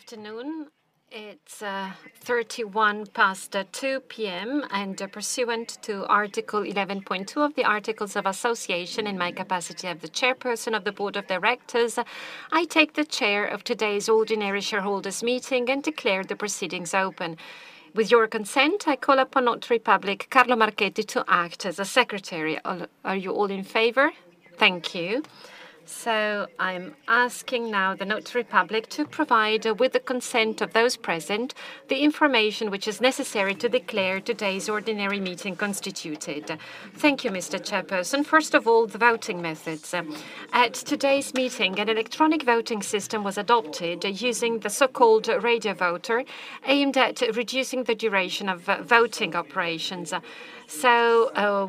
Afternoon. It's 2:31 P.M. pursuant to Article 11.2 of the Articles of Association, in my capacity of the Chairperson of the Board of Directors, I take the chair of today's ordinary shareholders' meeting and declare the proceedings open. With your consent, I call upon Notary Public, Carlo Marchetti, to act as a secretary. Are you all in favor? Thank you. I'm asking now the Notary Public to provide, with the consent of those present, the information which is necessary to declare today's ordinary meeting constituted. Thank you, Mr. Chairperson. First of all, the voting methods. At today's meeting, an electronic voting system was adopted using the so-called Radiovoter aimed at reducing the duration of voting operations.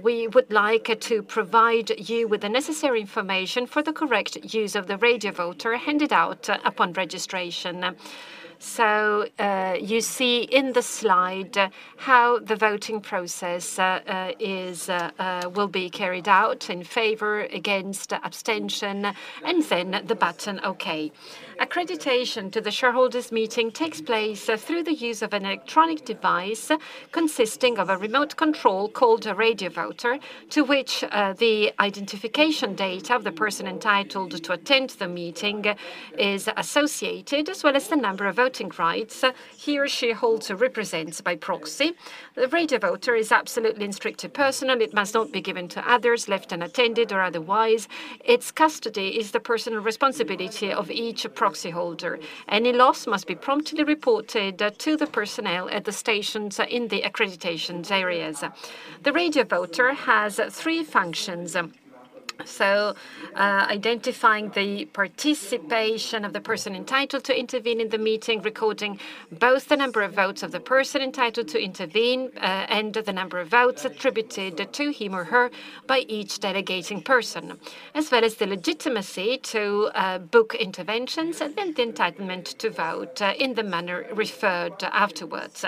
We would like to provide you with the necessary information for the correct use of the Radio Voter handed out upon registration. You see in the slide how the voting process will be carried out in favor, against, abstention, and then the button OK. Accreditation to the shareholders' meeting takes place through the use of an electronic device consisting of a remote control called a Radio Voter, to which the identification data of the person entitled to attend the meeting is associated, as well as the number of voting rights he or she holds or represents by proxy. The Radio Voter is absolutely and strictly personal. It must not be given to others, left unattended or otherwise. Its custody is the personal responsibility of each proxy holder. Any loss must be promptly reported to the personnel at the stations in the accreditations areas. The Radiovoter has three functions. Identifying the participation of the person entitled to intervene in the meeting, recording both the number of votes of the person entitled to intervene, and the number of votes attributed to him or her by each delegating person, as well as the legitimacy to book interventions and the entitlement to vote in the manner referred afterwards.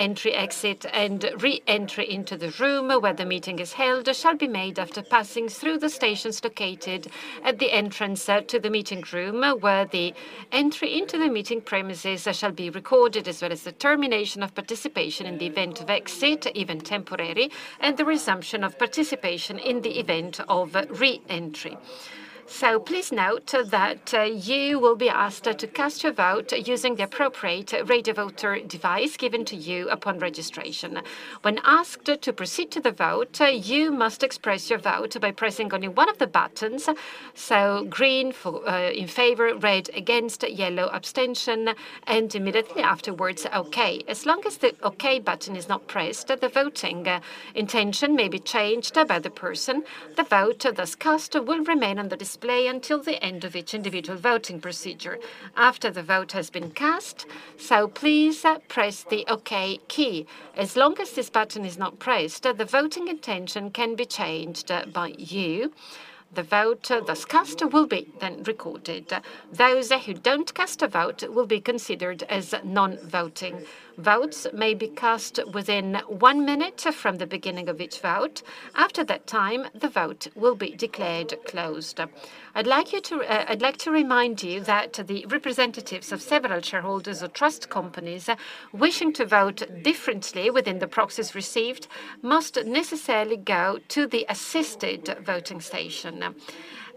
Entry, exit, and re-entry into the room where the meeting is held shall be made after passing through the stations located at the entrance to the meeting room, where the entry into the meeting premises shall be recorded, as well as the termination of participation in the event of exit, even temporary, and the resumption of participation in the event of re-entry. Please note that you will be asked to cast your vote using the appropriate Radiovoter device given to you upon registration. When asked to proceed to the vote, you must express your vote by pressing only one of the buttons. Green for in favor, red against, yellow abstention, and immediately afterwards, OK. As long as the OK button is not pressed, the voting intention may be changed by the person. The vote, thus cast, will remain on the display until the end of each individual voting procedure after the vote has been cast. Please press the OK key. As long as this button is not pressed, the voting intention can be changed by you. The vote, thus cast, will be then recorded. Those who don't cast a vote will be considered as non-voting. Votes may be cast within one minute from the beginning of each vote. After that time, the vote will be declared closed. I'd like to remind you that the representatives of several shareholders or trust companies wishing to vote differently within the proxies received must necessarily go to the assisted voting station.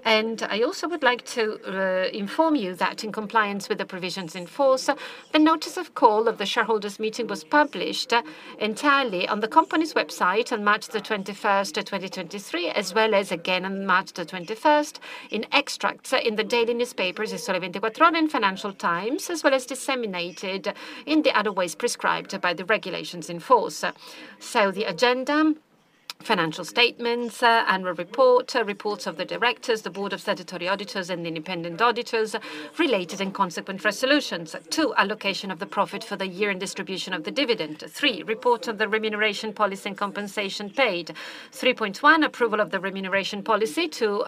I also would like to inform you that in compliance with the provisions in force, a notice of call of the shareholders' meeting was published entirely on the company's website on March the 21st of 2023, as well as again on March the 21st in extracts in the daily newspapers, Il Sole 24 Ore and Financial Times, as well as disseminated in the other ways prescribed by the regulations in force. The agenda, financial statements, annual report, reports of the Directors, the Board of Statutory Auditors and the independent auditors related and consequent resolutions. Two, allocation of the profit for the year and distribution of the dividend. Three, report of the remuneration policy and compensation paid. 3.1, approval of the remuneration policy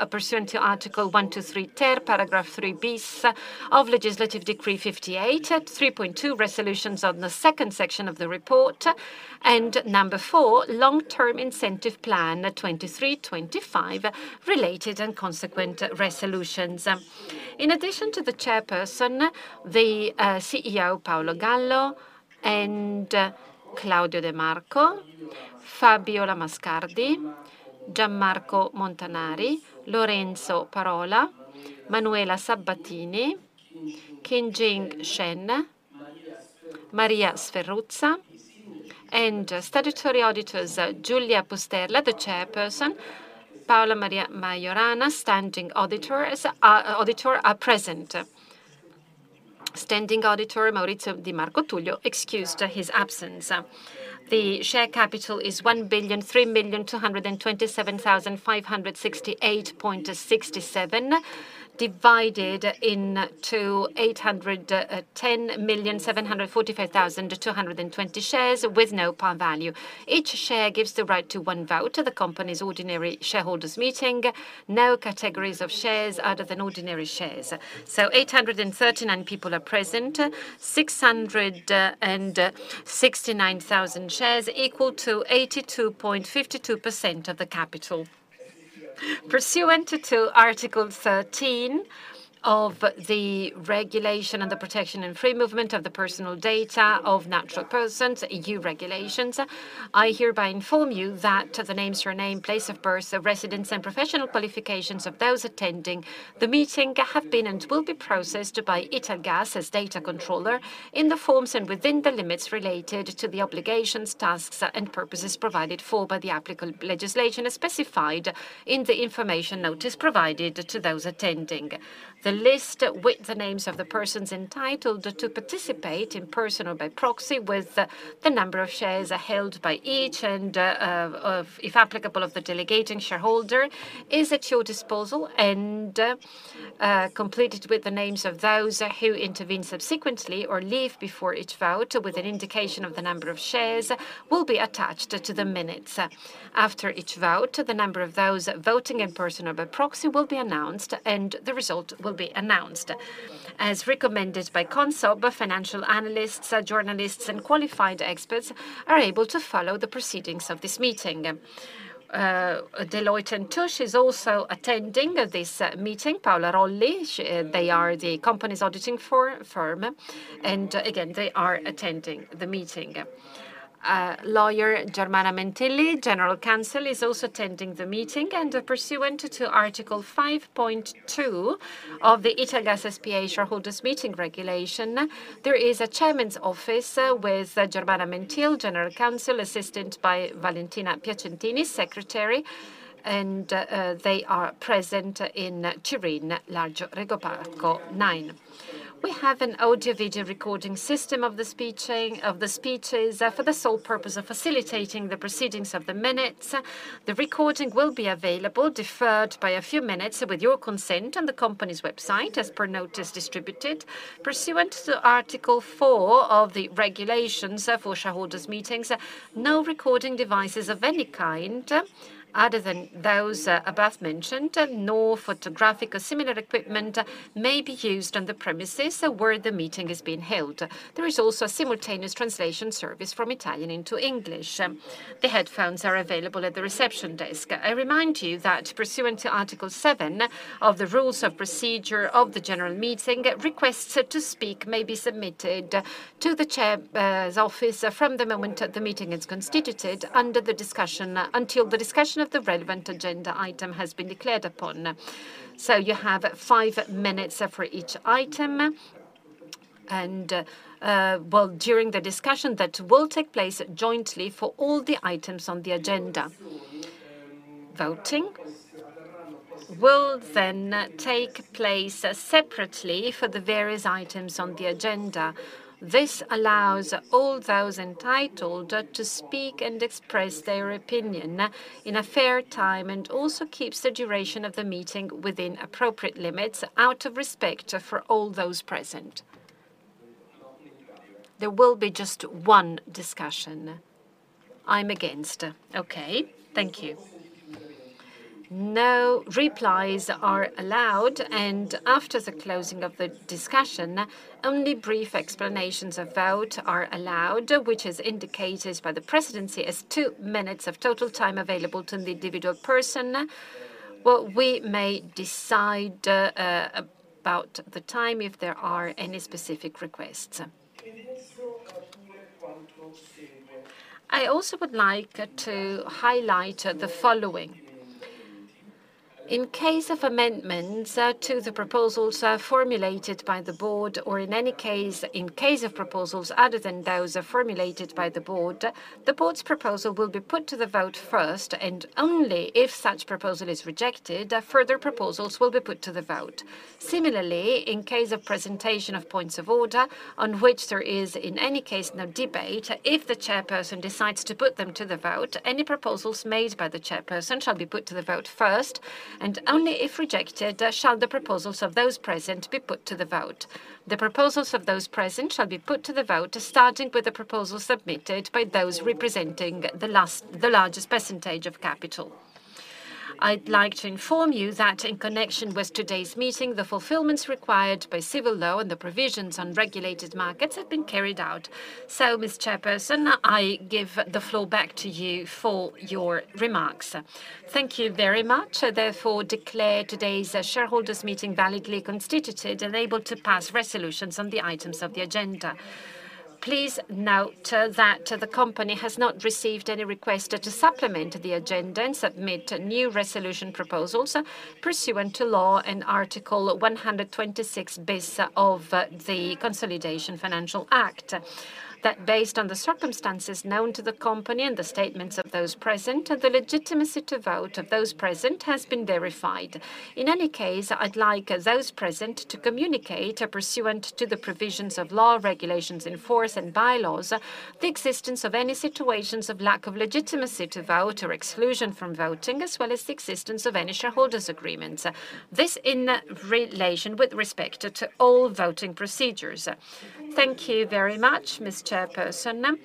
pursuant to Article 123-ter, paragraph three bis of Legislative Decree 58. 3.2, resolutions on the second section of the report. Number four, Long-Term Incentive Plan 2023/2025 related and consequent resolutions. In addition to the Chairperson, the CEO, Paolo Gallo and Claudio De Marco, Fabiola Mascardi, Gianmarco Montanari, Lorenzo Parola, Manuela Sabbatini, Qinjing Shen, Maria Sferruzza, and Statutory Auditors, Giulia Pusterla, the Chairperson, Paola Maria Maiorana, Standing Auditor are present. Standing Auditor Maurizio Di Marcotullio excused his absence. The share capital is 1,003,227,568.67. Divided into 810,745,220 shares with no par value. Each share gives the right to one vote at the company's ordinary shareholders meeting. No categories of shares other than ordinary shares. 839 people are present. 669,000 shares equal to 82.52% of the capital. Pursuant to Article 13 of the Regulation on the Protection and Free Movement of the Personal Data of Natural Persons, EU Regulations, I hereby inform you that the names, surname, place of birth, residence, and professional qualifications of those attending the meeting have been and will be processed by Italgas as data controller in the forms and within the limits related to the obligations, tasks, and purposes provided for by the applicable legislation as specified in the information notice provided to those attending. The list with the names of the persons entitled to participate in person or by proxy with the number of shares held by each and of... if applicable, of the delegating shareholder is at your disposal and completed with the names of those who intervene subsequently or leave before each vote with an indication of the number of shares will be attached to the minutes. After each vote, the number of those voting in person or by proxy will be announced, and the result will be announced. As recommended by CONSOB, financial analysts, journalists, and qualified experts are able to follow the proceedings of this meeting. Deloitte & Touche is also attending this meeting. Paola Rolli. They are the company's auditing firm. Again, they are attending the meeting. Lawyer Germana Mentil, General Counsel, is also attending the meeting. Pursuant to Article 5.2 of the Italgas Spa Shareholders' Meeting Regulation, there is a chairman's office with Germana Mentil, general counsel, assisted by Valentina Piacentini, secretary, they are present in Turin, Largo Regio Parco 9. We have an audio video recording system of the speeches for the sole purpose of facilitating the proceedings of the minutes. The recording will be available, deferred by a few minutes, with your consent, on the company's website, as per notice distributed. Pursuant to Article 4 of the Regulations for Shareholders' Meetings, no recording devices of any kind, other than those above mentioned, nor photographic or similar equipment may be used on the premises where the meeting is being held. There is also a simultaneous translation service from Italian into English. The headphones are available at the reception desk. I remind you that pursuant to Article 7 of the Rules of Procedure of the general meeting, requests to speak may be submitted to the chair's office from the moment the meeting is constituted under the discussion, until the discussion of the relevant agenda item has been declared upon. You have five minutes for each item and, well, during the discussion that will take place jointly for all the items on the agenda. Voting will take place separately for the various items on the agenda. This allows all those entitled to speak and express their opinion in a fair time and also keeps the duration of the meeting within appropriate limits out of respect for all those present. There will be just one discussion. I'm against. Okay, thank you. No replies are allowed. After the closing of the discussion, only brief explanations of vote are allowed, which is indicated by the presidency as two minutes of total time available to the individual person. Well, we may decide about the time if there are any specific requests. I also would like to highlight the following. In case of amendments to the proposals, formulated by the board, or in any case, in case of proposals other than those formulated by the board, the board's proposal will be put to the vote first, and only if such proposal is rejected, further proposals will be put to the vote. Similarly, in case of presentation of points of order on which there is in any case no debate, if the chairperson decides to put them to the vote, any proposals made by the chairperson shall be put to the vote first, and only if rejected shall the proposals of those present be put to the vote. The proposals of those present shall be put to the vote, starting with the proposals submitted by those representing the last, the largest percentage of capital. I'd like to inform you that in connection with today's meeting, the fulfillments required by civil law and the provisions on regulated markets have been carried out. Ms. Chairperson, I give the floor back to you for your remarks. Thank you very much. I therefore declare today's shareholders' meeting validly constituted and able to pass resolutions on the items of the agenda. Please note that the company has not received any request to supplement the agenda and submit new resolution proposals pursuant to law in Article 126-bis of the Consolidated Law on Finance. Based on the circumstances known to the company and the statements of those present and the legitimacy to vote of those present has been verified. In any case, I'd like those present to communicate, pursuant to the provisions of law, regulations in force, and bylaws, the existence of any situations of lack of legitimacy to vote or exclusion from voting, as well as the existence of any shareholders agreements. This in relation with respect to all voting procedures. Thank you very much, Ms. Chairperson.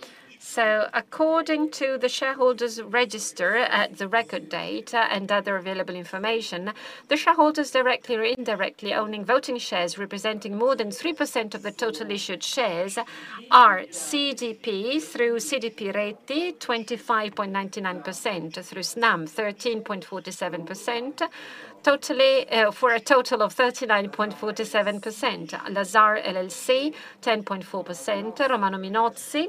According to the shareholders register at the record date and other available information, the shareholders directly or indirectly owning voting shares representing more than 3% of the total issued shares are CDP through CDP Reti, 25.99%, through Snam, 13.47%, totally for a total of 39.47%. Lazard LLC, 10.4%. Romano Minozzi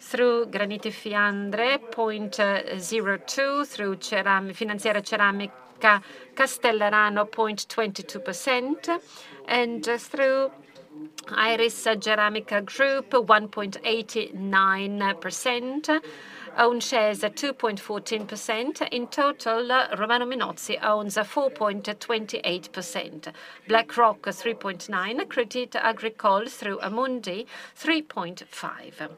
through GranitiFiandre, 0.02%. Through Finanziaria Ceramica Castellarano, 0.22%. Through Iris Ceramica Group, 1.89% own shares at 2.14%. In total, Romano Minozzi owns 4.28%. BlackRock, 3.9%. Crédit Agricole through Amundi, 3.5%.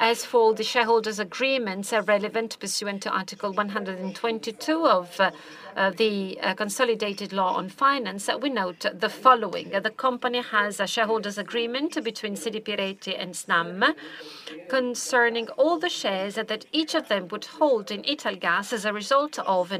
As for the shareholders agreements are relevant pursuant to Article 122 of the Consolidated Law on Finance, we note the following. The company has a shareholders agreement between CDP Reti and Snam concerning all the shares that each of them would hold in Italgas as a result of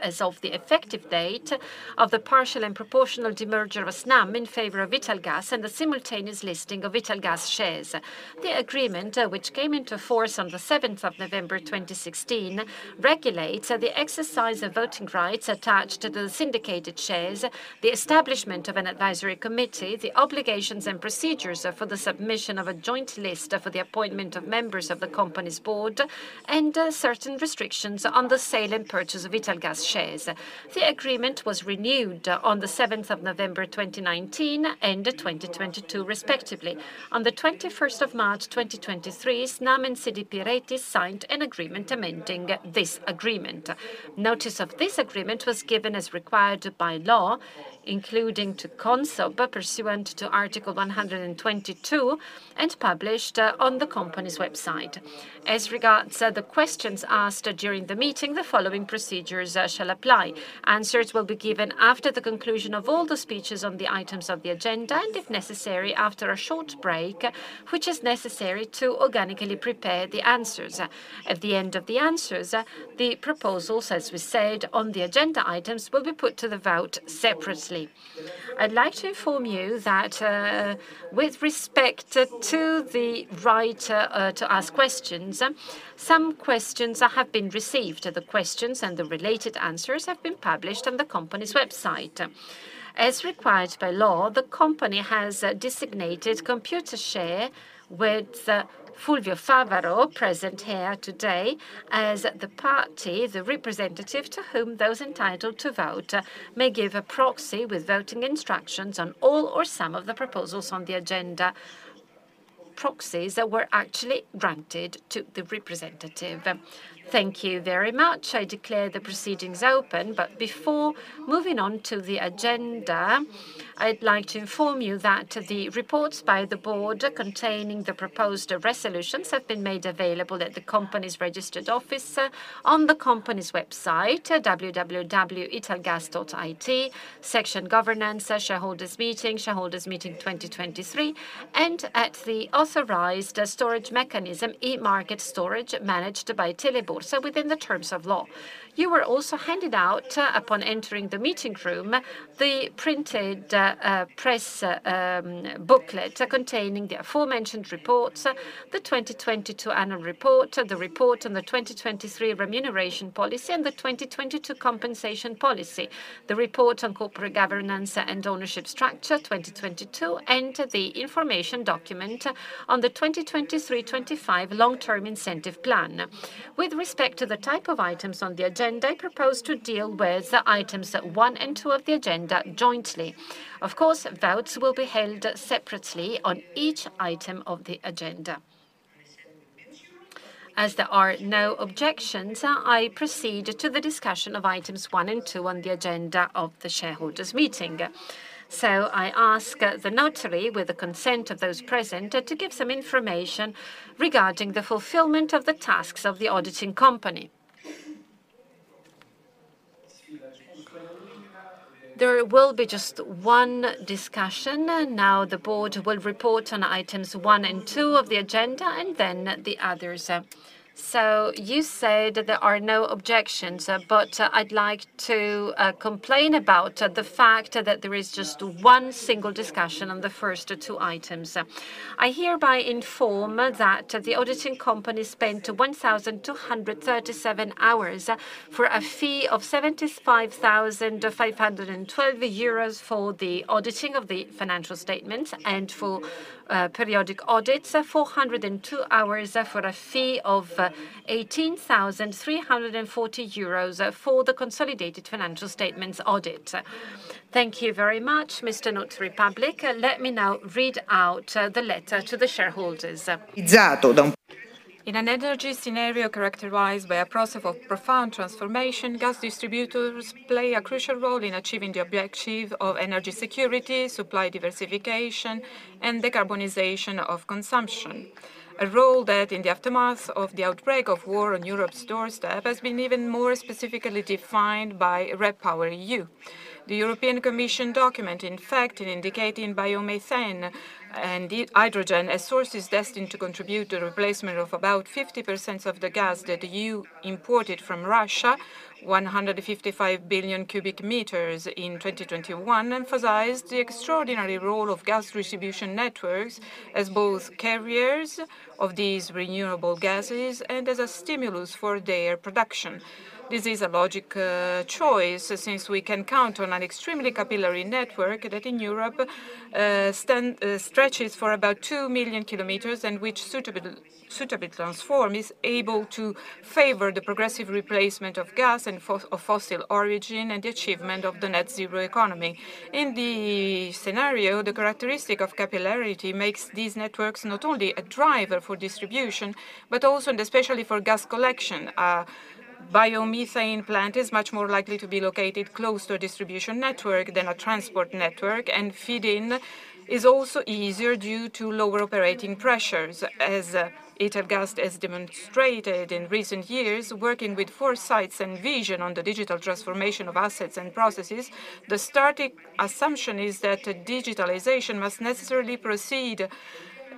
as of the effective date of the partial and proportional demerger of Snam in favor of Italgas and the simultaneous listing of Italgas shares. The agreement, which came into force on the 7th of November 2016, regulates the exercise of voting rights attached to the syndicated shares, the establishment of an advisory committee, the obligations and procedures for the submission of a joint list for the appointment of members of the company's board, and certain restrictions on the sale and purchase of Italgas shares. The agreement was renewed on the 7th of November 2019 and 2022 respectively. On the 21st of March 2023, Snam and CDP Reti signed an agreement amending this agreement. Notice of this agreement was given as required by law, including to CONSOB, pursuant to Article 122, and published on the company's website. As regards the questions asked during the meeting, the following procedures shall apply. Answers will be given after the conclusion of all the speeches on the items of the agenda and, if necessary, after a short break, which is necessary to organically prepare the answers. At the end of the answers, the proposals, as we said, on the agenda items will be put to the vote separately. I'd like to inform you that with respect to the right to ask questions, some questions have been received. The questions and the related answers have been published on the company's website. As required by law, the company has designated Computershare with Fulvio Favaro, present here today, as the party, the representative to whom those entitled to vote may give a proxy with voting instructions on all or some of the proposals on the agenda, proxies that were actually granted to the representative. Thank you very much. I declare the proceedings open. Before moving on to the agenda, I'd like to inform you that the reports by the board containing the proposed resolutions have been made available at the company's registered office, on the company's website, www.italgas.it, section Governance, Shareholders' Meeting, Shareholders' Meeting 2023, and at the authorized storage mechanism, eMarket STORAGE, managed by Teleborsa within the terms of law. You were also handed out, upon entering the meeting room, the printed press booklet containing the aforementioned reports, the 2022 annual report, the report on the 2023 remuneration policy and the 2022 compensation policy, the report on corporate governance and ownership structure 2022, and the information document on the 2023-2025 Long-Term Incentive Plan. With respect to the type of items on the agenda, I propose to deal with items one and two of the agenda jointly. Of course, votes will be held separately on each item of the agenda. There are no objections, I proceed to the discussion of items one and two on the agenda of the shareholders meeting. I ask the Notary, with the consent of those present, to give some information regarding the fulfillment of the tasks of the auditing company. There will be just one discussion. The board will report on items one and two of the agenda and then the others. You said there are no objections, but I'd like to complain about the fact that there is just one single discussion on the first one items. I hereby inform that the auditing company spent 1,237 hours for a fee of 75,512 euros for the auditing of the financial statements and for periodic audits, 402 hours for a fee of 18,340 euros for the consolidated financial statements audit. Thank you very much, Mr. Notary Public. Let me now read out the letter to the shareholders. In an energy scenario characterized by a process of profound transformation, gas distributors play a crucial role in achieving the objective of energy security, supply diversification, and decarbonization of consumption. A role that in the aftermath of the outbreak of war on Europe's doorstep has been even more specifically defined by REPowerEU. The European Commission document, in fact, in indicating biomethane and hydrogen as sources destined to contribute to replacement of about 50% of the gas that EU imported from Russia, 155 billion cubic meters in 2021, emphasized the extraordinary role of gas distribution networks as both carriers of these renewable gases and as a stimulus for their production. This is a logic choice, since we can count on an extremely capillary network that in Europe stretches for about 2 million km and which suitable, suitably transform, is able to favor the progressive replacement of gas and of fossil origin and achievement of the net zero economy. In the scenario, the characteristic of capillarity makes these networks not only a driver for distribution, but also and especially for gas collection. A biomethane plant is much more likely to be located close to a distribution network than a transport network, feed-in is also easier due to lower operating pressures, as Italgas has demonstrated in recent years working with foresights and vision on the digital transformation of assets and processes. The starting assumption is that digitalization must necessarily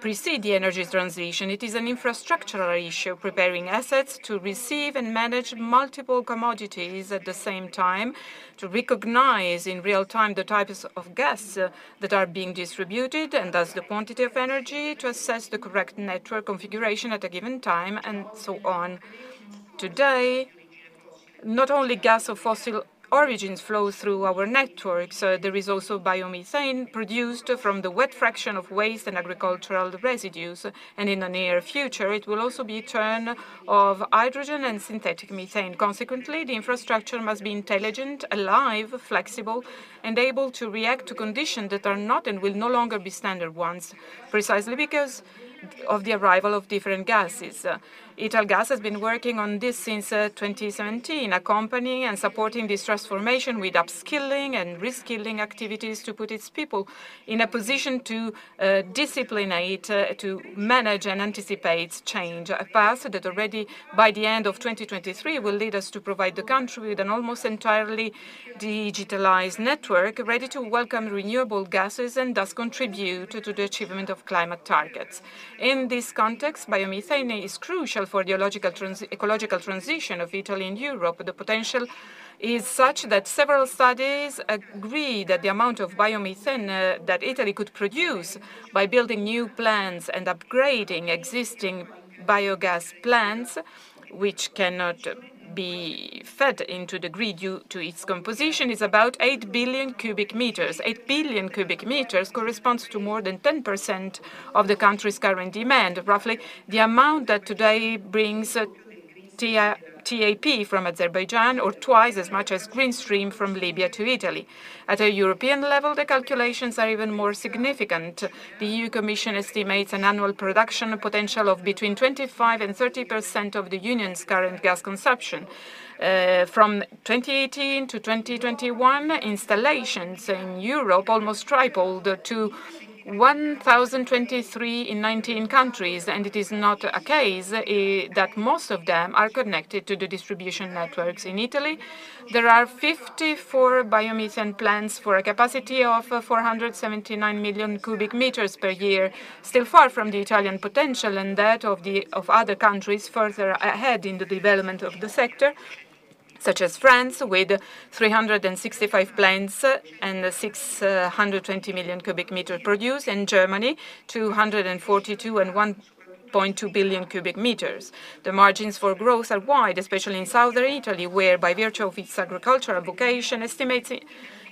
precede the energy transition. It is an infrastructural issue, preparing assets to receive and manage multiple commodities at the same time, to recognize in real time the types of gas that are being distributed, and thus the quantity of energy to assess the correct network configuration at a given time, and so on. Not only gas of fossil origins flow through our network, so there is also biomethane produced from the wet fraction of waste and agricultural residues, and in the near future it will also be turn of hydrogen and synthetic methane. Consequently, the infrastructure must be intelligent, alive, flexible and able to react to conditions that are not and will no longer be standard ones, precisely because of the arrival of different gases. Italgas has been working on this since 2017, accompanying and supporting this transformation with upskilling and reskilling activities to put its people in a position to disciplinate, to manage and anticipate change. A path that already by the end of 2023 will lead us to provide the country with an almost entirely digitalized network ready to welcome renewable gases and thus contribute to the achievement of climate targets. In this context, biomethane is crucial for the logical trans- ecological transition of Italy and Europe. The potential is such that several studies agree that the amount of biomethane that Italy could produce by building new plants and upgrading existing biogas plants, which cannot be fed into the grid due to its composition, is about 8 billion cu m. 8 billion cu m corresponds to more than 10% of the country's current demand, roughly the amount that today brings TAP from Azerbaijan or twice as much as GreenStream from Libya to Italy. At a European level, the calculations are even more significant. The European Commission estimates an annual production potential of between 25% and 30% of the Union's current gas consumption. From 2018 to 2021, installations in Europe almost tripled to 1,023 in 19 countries, and it is not a case that most of them are connected to the distribution networks. In Italy, there are 54 biomethane plants for a capacity of 479 million cu m per year. Still far from the Italian potential and that of other countries further ahead in the development of the sector, such as France, with 365 plants and 620 million cu m produced, and Germany, 242 and 1.2 billion cu m. The margins for growth are wide, especially in southern Italy, where by virtue of its agricultural vocation, estimates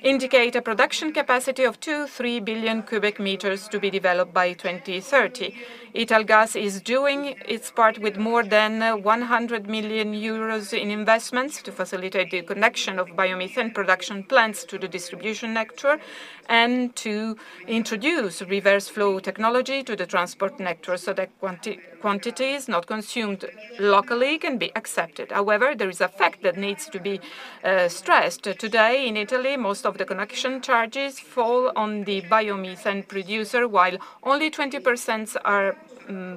indicate a production capacity of 2, 3 billion cu m to be developed by 2030. Italgas is doing its part with more than 100 million euros in investments to facilitate the connection of biomethane production plants to the distribution network and to introduce reverse flow technology to the transport network so that quantities not consumed locally can be accepted. However, there is a fact that needs to be stressed. Today in Italy, most of the connection charges fall on the biomethane producer, while only 20% are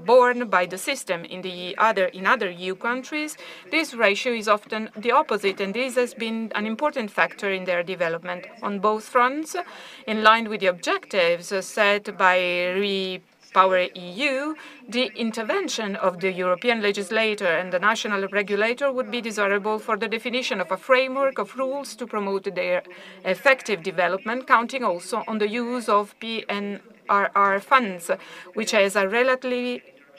borne by the system. In other EU countries, this ratio is often the opposite, and this has been an important factor in their development. On both fronts, in line with the objectives set by REPowerEU, the intervention of the European legislator and the national regulator would be desirable for the definition of a framework of rules to promote their effective development, counting also on the use of PNRR funds, which has a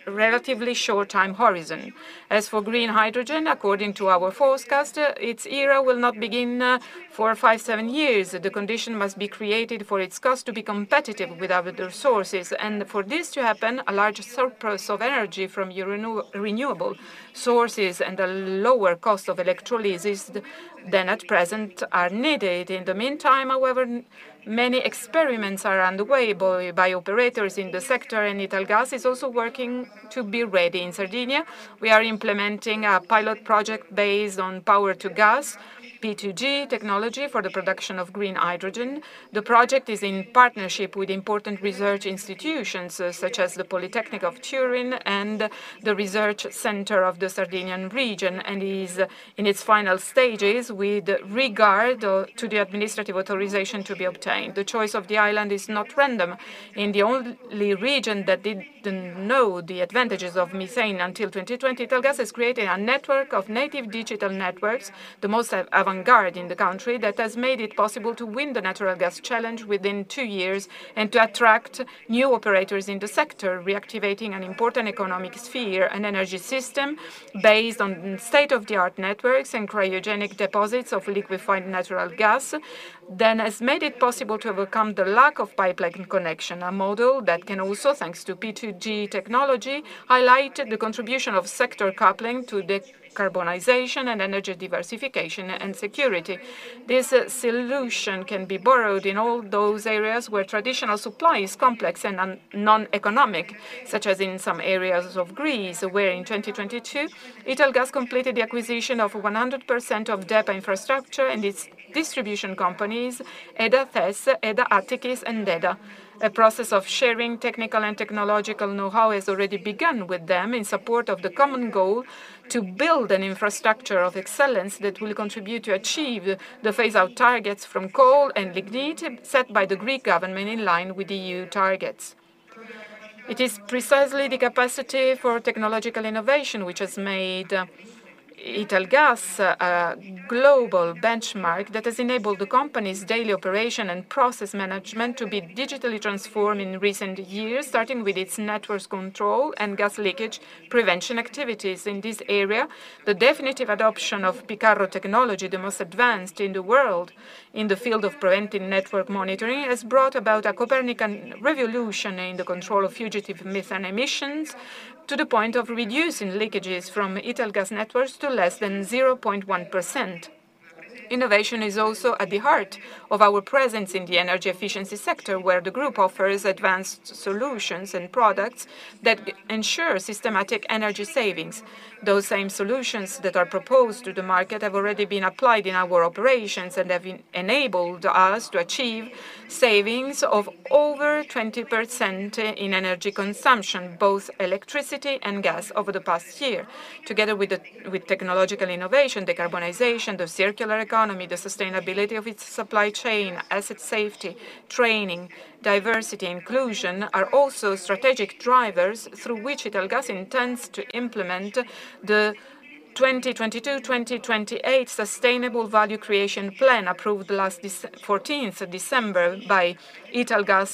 relatively short time horizon. As for green hydrogen, according to our forecast, its era will not begin for five-seven years. The condition must be created for its cost to be competitive with other resources, and for this to happen, a large surplus of energy from renewable sources and a lower cost of electrolysis than at present are needed. In the meantime, however, many experiments are underway by operators in the sector, and Italgas is also working to be ready. In Sardinia, we are implementing a pilot project based on power to gas, P2G, technology for the production of green hydrogen. The project is in partnership with important research institutions, such as the Polytechnic of Turin and the research center of the Sardinian region, and is in its final stages with regard to the administrative authorization to be obtained. The choice of the island is not random. In the only region that didn't know the advantages of methane until 2020, Italgas is creating a network of native digital networks, the most avant-garde in the country, that has made it possible to win the natural gas challenge within two years and to attract new operators in the sector, reactivating an important economic sphere and energy system based on state-of-the-art networks and cryogenic deposits of liquefied natural gas, then has made it possible to overcome the lack of pipeline connection, a model that can also, thanks to P2G technology, highlight the contribution of sector coupling to decarbonization and energy diversification and security. This solution can be borrowed in all those areas where traditional supply is complex and non-economic, such as in some areas of Greece, where in 2022 Italgas completed the acquisition of 100% of DEPA Infrastructure and its distribution companies, EDA Thess, EDA Attikis, and DEDA. A process of sharing technical and technological know-how has already begun with them in support of the common goal to build an infrastructure of excellence that will contribute to achieve the phase out targets from coal and lignite set by the Greek government in line with EU targets. It is precisely the capacity for technological innovation which has made Italgas a global benchmark that has enabled the company's daily operation and process management to be digitally transformed in recent years, starting with its networks control and gas leakage prevention activities. In this area, the definitive adoption of Picarro technology, the most advanced in the world in the field of preventive network monitoring, has brought about a Copernican revolution in the control of fugitive methane emissions to the point of reducing leakages from Italgas networks to less than 0.1%. Innovation is also at the heart of our presence in the energy efficiency sector, where the group offers advanced solutions and products that ensure systematic energy savings. Those same solutions that are proposed to the market have already been applied in our operations and have enabled us to achieve savings of over 20% in energy consumption, both electricity and gas, over the past year. Together with technological innovation, decarbonization, the circular economy, the sustainability of its supply chain, asset safety, training, diversity, inclusion are also strategic drivers through which Italgas intends to implement the 2022, 2028 sustainable value creation plan approved last 14th December by Italgas,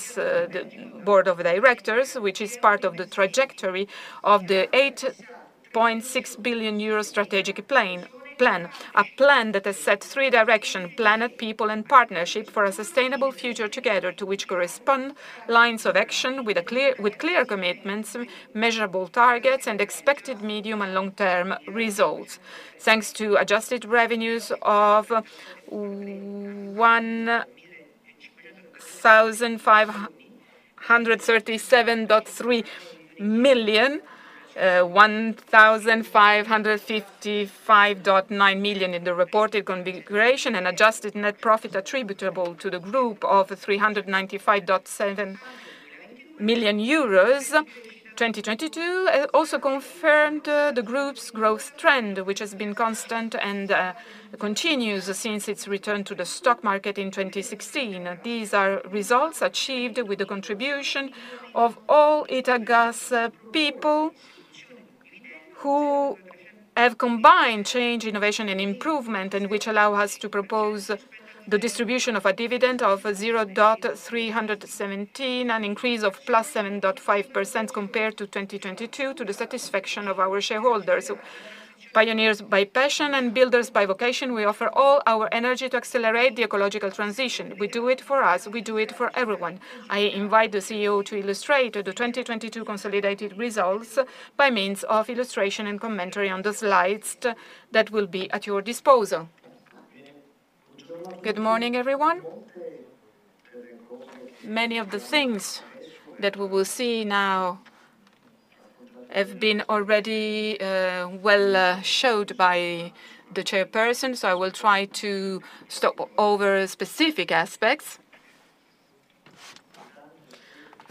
the board of directors, which is part of the trajectory of the 8.6 billion euro strategic plan. A plan that has set three direction, planet, people, and partnership, for a sustainable future together to which correspond lines of action with clear commitments, measurable targets, and expected medium and long-term results. Thanks to adjusted revenues of 1,537.3 million, 1,555.9 million in the reported configuration and adjusted net profit attributable to the group of 395.7 million euros. 2022 also confirmed the group's growth trend, which has been constant and continues since its return to the stock market in 2016. These are results achieved with the contribution of all Italgas people who have combined change, innovation, and improvement, and which allow us to propose the distribution of a dividend of 0.317, an increase of +7.5% compared to 2022 to the satisfaction of our shareholders. Pioneers by passion and builders by vocation, we offer all our energy to accelerate the ecological transition. We do it for us. We do it for everyone. I invite the CEO to illustrate the 2022 consolidated results by means of illustration and commentary on the slides that will be at your disposal. Good morning, everyone. Many of the things that we will see now have been already, well, showed by the chairperson, so I will try to stop over specific aspects.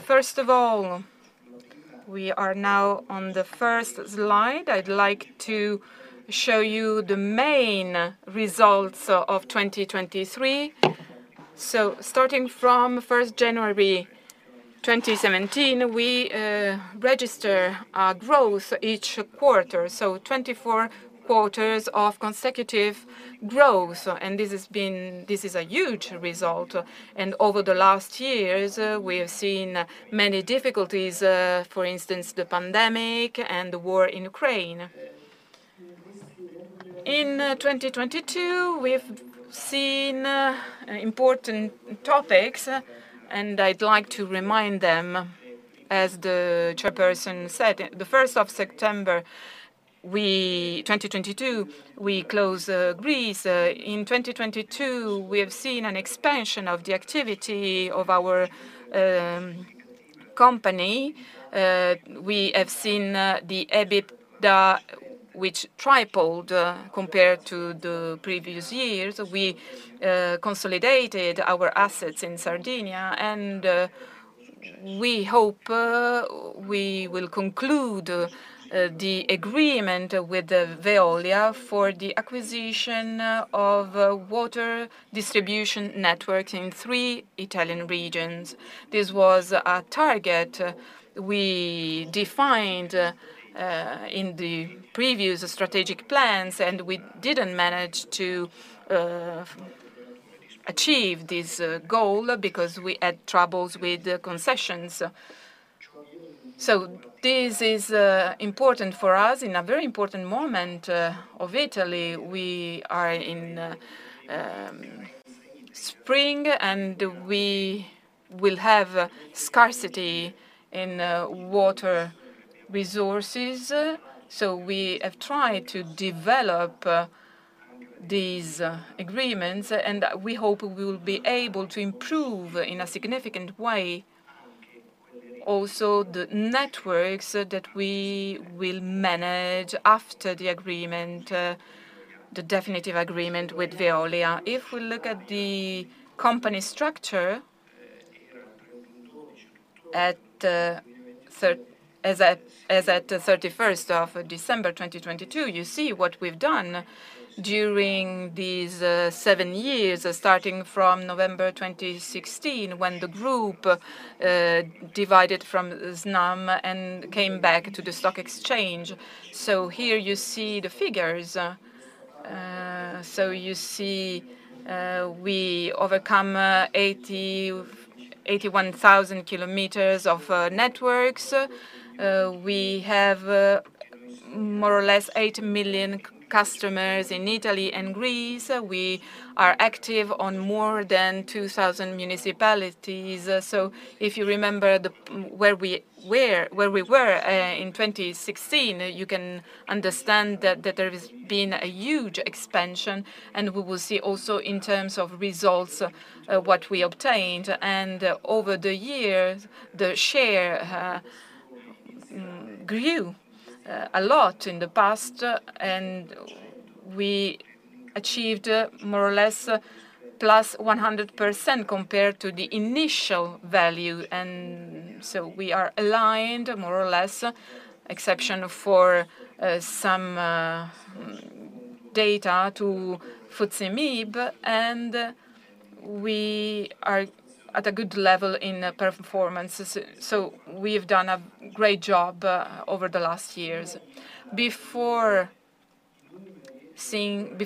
First of all, we are now on the first slide. I'd like to show you the main results of 2023. Starting from 1st January 2017, we register growth each quarter, so 24 quarters of consecutive growth. This is a huge result. Over the last years, we have seen many difficulties, for instance, the pandemic and the war in Ukraine. In 2022, we have seen important topics, and I'd like to remind them, as the chairperson said, the 1st of September, 2022, we close Greece. In 2022, we have seen an expansion of the activity of our company. We have seen the EBITDA, which tripled compared to the previous years. We consolidated our assets in Sardinia, and we hope we will conclude the agreement with the Veolia for the acquisition of water distribution network in three Italian regions. This was a target we defined in the previous strategic plans, and we didn't manage to achieve this goal because we had troubles with the concessions. This is important for us in a very important moment of Italy. We are in spring, and we will have scarcity in water resources. We have tried to develop these agreements, and we hope we will be able to improve in a significant way also the networks that we will manage after the agreement, the definitive agreement with Veolia. If we look at the company structure as at 31st of December 2022, you see what we've done during these seven years, starting from November 2016, when the group divided from Snam and came back to the stock exchange. Here you see the figures. You see, we overcome 81,000 kilometers of networks. We have more or less 8 million customers in Italy and Greece. We are active on more than 2,000 municipalities. If you remember the where we were in 2016, you can understand that there has been a huge expansion, and we will see also in terms of results, what we obtained. Over the years, the share grew a lot in the past, and we achieved more or less plus 100% compared to the initial value. We are aligned more or less, exception for some data to FTSE MIB, and we are at a good level in performance. We have done a great job over the last years. Before seeing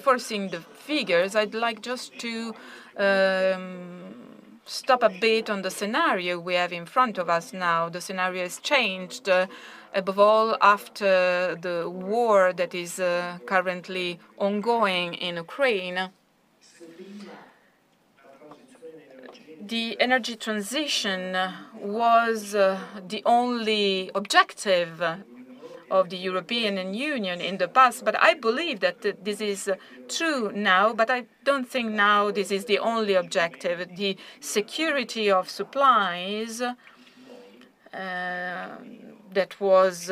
the figures, I'd like just to stop a bit on the scenario we have in front of us now. The scenario has changed above all after the war that is currently ongoing in Ukraine. The energy transition was the only objective of the European Union in the past, but I believe that this is true now, but I don't think now this is the only objective. The security of supplies that was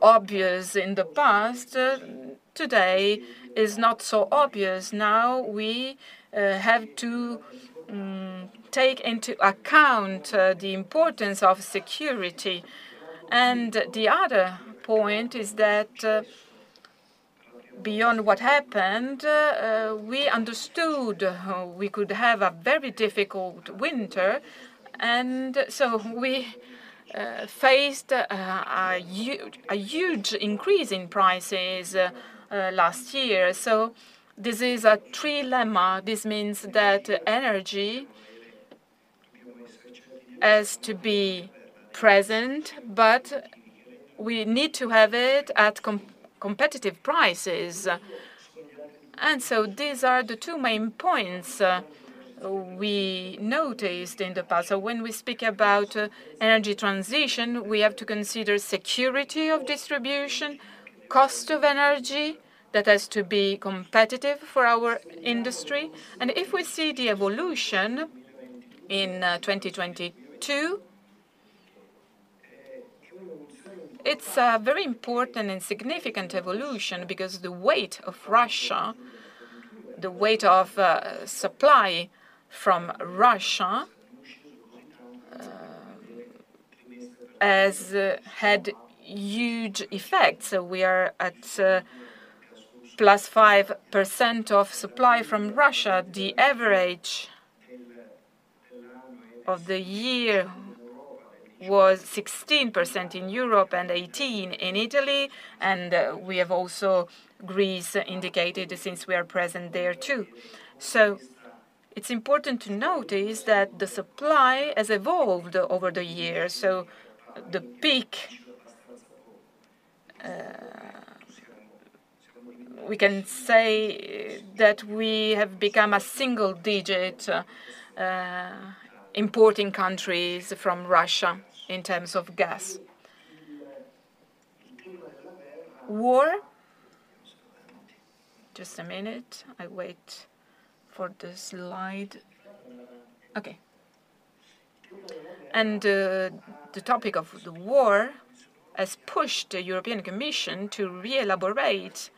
obvious in the past, today is not so obvious. Now we have to take into account the importance of security. The other point is that beyond what happened, we understood we could have a very difficult winter. We faced a huge increase in prices last year. This is a trilemma. This means that energy has to be present, but we need to have it at competitive prices. These are the two main points we noticed in the past. When we speak about energy transition, we have to consider security of distribution, cost of energy that has to be competitive for our industry. If we see the evolution in 2022, it's a very important and significant evolution because the weight of Russia, the weight of supply from Russia has had huge effects. We are at +5% of supply from Russia. The average of the year was 16% in Europe and 18 in Italy, and we have also Greece indicated since we are present there too. It's important to notice that the supply has evolved over the years, so the peak, we can say that we have become a single-digit importing countries from Russia in terms of gas. Just a minute. I wait for the slide. Okay. The topic of the war has pushed the European Commission to re-elaborate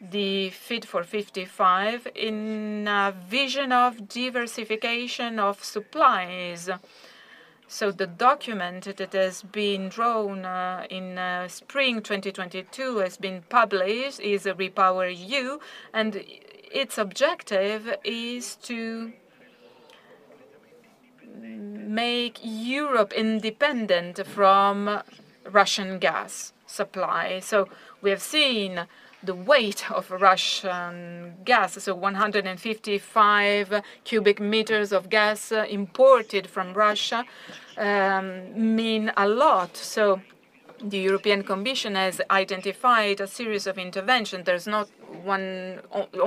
the Fit for 55 in a vision of diversification of supplies. The document that has been drawn in spring 2022 has been published, is REPowerEU, and its objective is to make Europe independent from Russian gas supply. We have seen the weight of Russian gas. 155 cu m of gas imported from Russia mean a lot. The European Commission has identified a series of intervention. There's not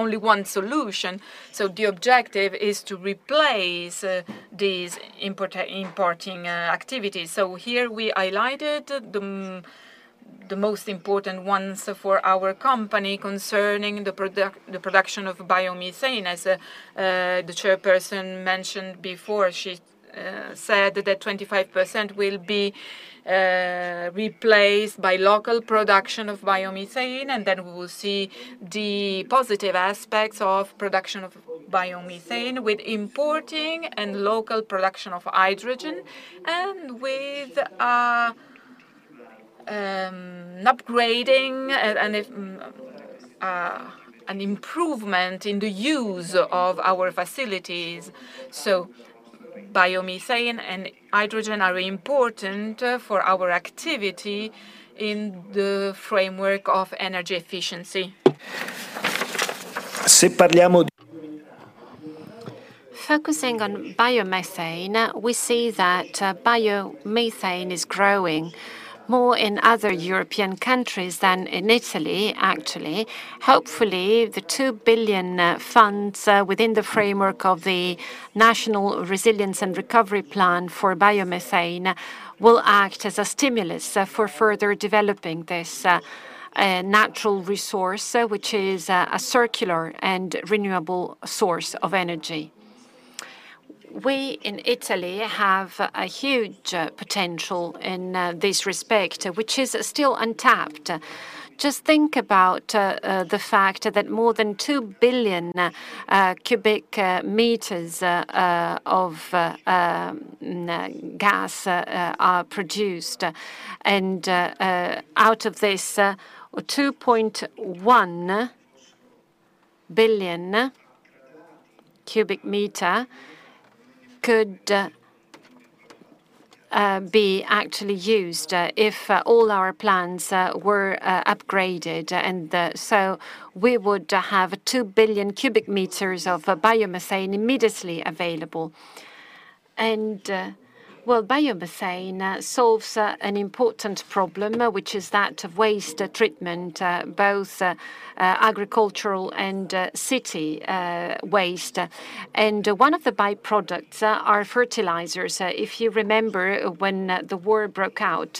only one solution. The objective is to replace these importing activities. Here we highlighted the most important ones for our company concerning the product, the production of biomethane. As the chairperson mentioned before, she said that 25% will be replaced by local production of biomethane, and then we will see the positive aspects of production of biomethane with importing and local production of hydrogen and with upgrading and an improvement in the use of our facilities. Biomethane and hydrogen are important for our activity in the framework of energy efficiency. Focusing on biomethane, we see that biomethane is growing more in other European countries than in Italy, actually. Hopefully, the 2 billion funds within the framework of the National Recovery and Resilience Plan for biomethane will act as a stimulus for further developing this natural resource, which is a circular and renewable source of energy. We in Italy have a huge potential in this respect, which is still untapped. Just think about the fact that more than 2 billion cu m of gas are produced. Out of this 2.1 billion cu m could be actually used if all our plans were upgraded. So we would have 2 billion cu m of biomethane immediately available. Well, biomethane solves an important problem, which is that of waste treatment, both agricultural and city waste. One of the by-products are fertilizers. If you remember when the war broke out,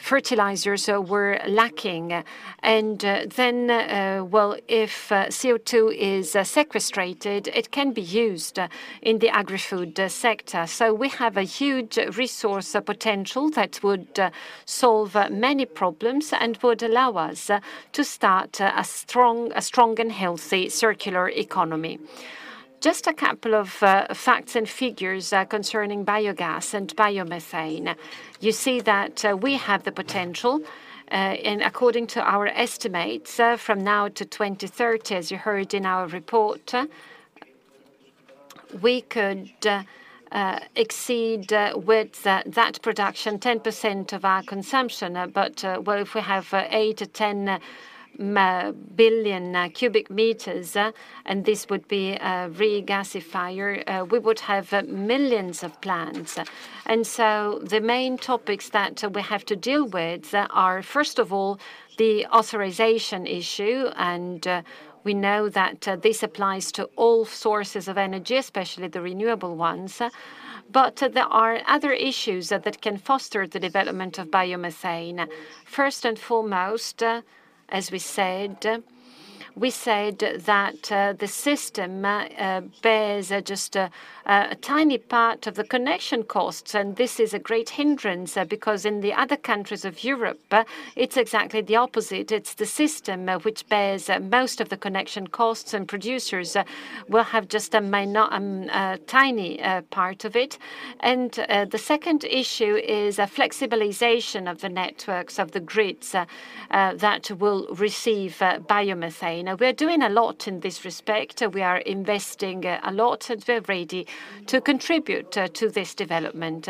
fertilizers were lacking. Well, if CO2 is sequestrated, it can be used in the agri-food sector. We have a huge resource potential that would solve many problems and would allow us to start a strong and healthy circular economy. Just a couple of facts and figures concerning biogas and biomethane. You see that we have the potential, and according to our estimates from now to 2030, as you heard in our report, we could exceed with that production 10% of our consumption. Well, if we have 8-10 billion cu m, and this would be a regasifier, we would have millions of plants. The main topics that we have to deal with are, first of all, the authorization issue, and we know that this applies to all sources of energy, especially the renewable ones. There are other issues that can foster the development of biomethane. First and foremost, as we said that the system bears just a tiny part of the connection costs, and this is a great hindrance because in the other countries of Europe, it's exactly the opposite. It's the system which bears most of the connection costs, and producers will have just a minor, tiny part of it. The second issue is a flexibilization of the networks, of the grids that will receive biomethane. We're doing a lot in this respect. We are investing a lot, and we're ready to contribute to this development.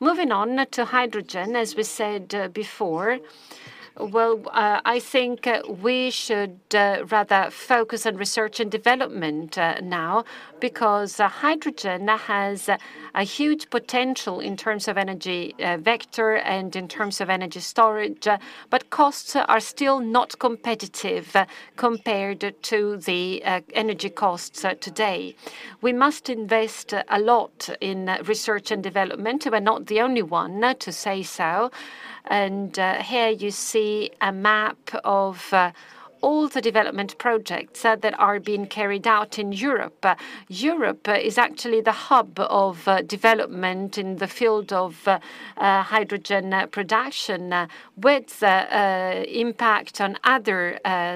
Moving on to hydrogen, as we said before, well, I think we should rather focus on research and development now because hydrogen has a huge potential in terms of energy vector and in terms of energy storage, but costs are still not competitive compared to the energy costs today. We must invest a lot in research and development. We're not the only one to say so. Here you see a map of all the development projects that are being carried out in Europe. Europe is actually the hub of development in the field of hydrogen production with impact on other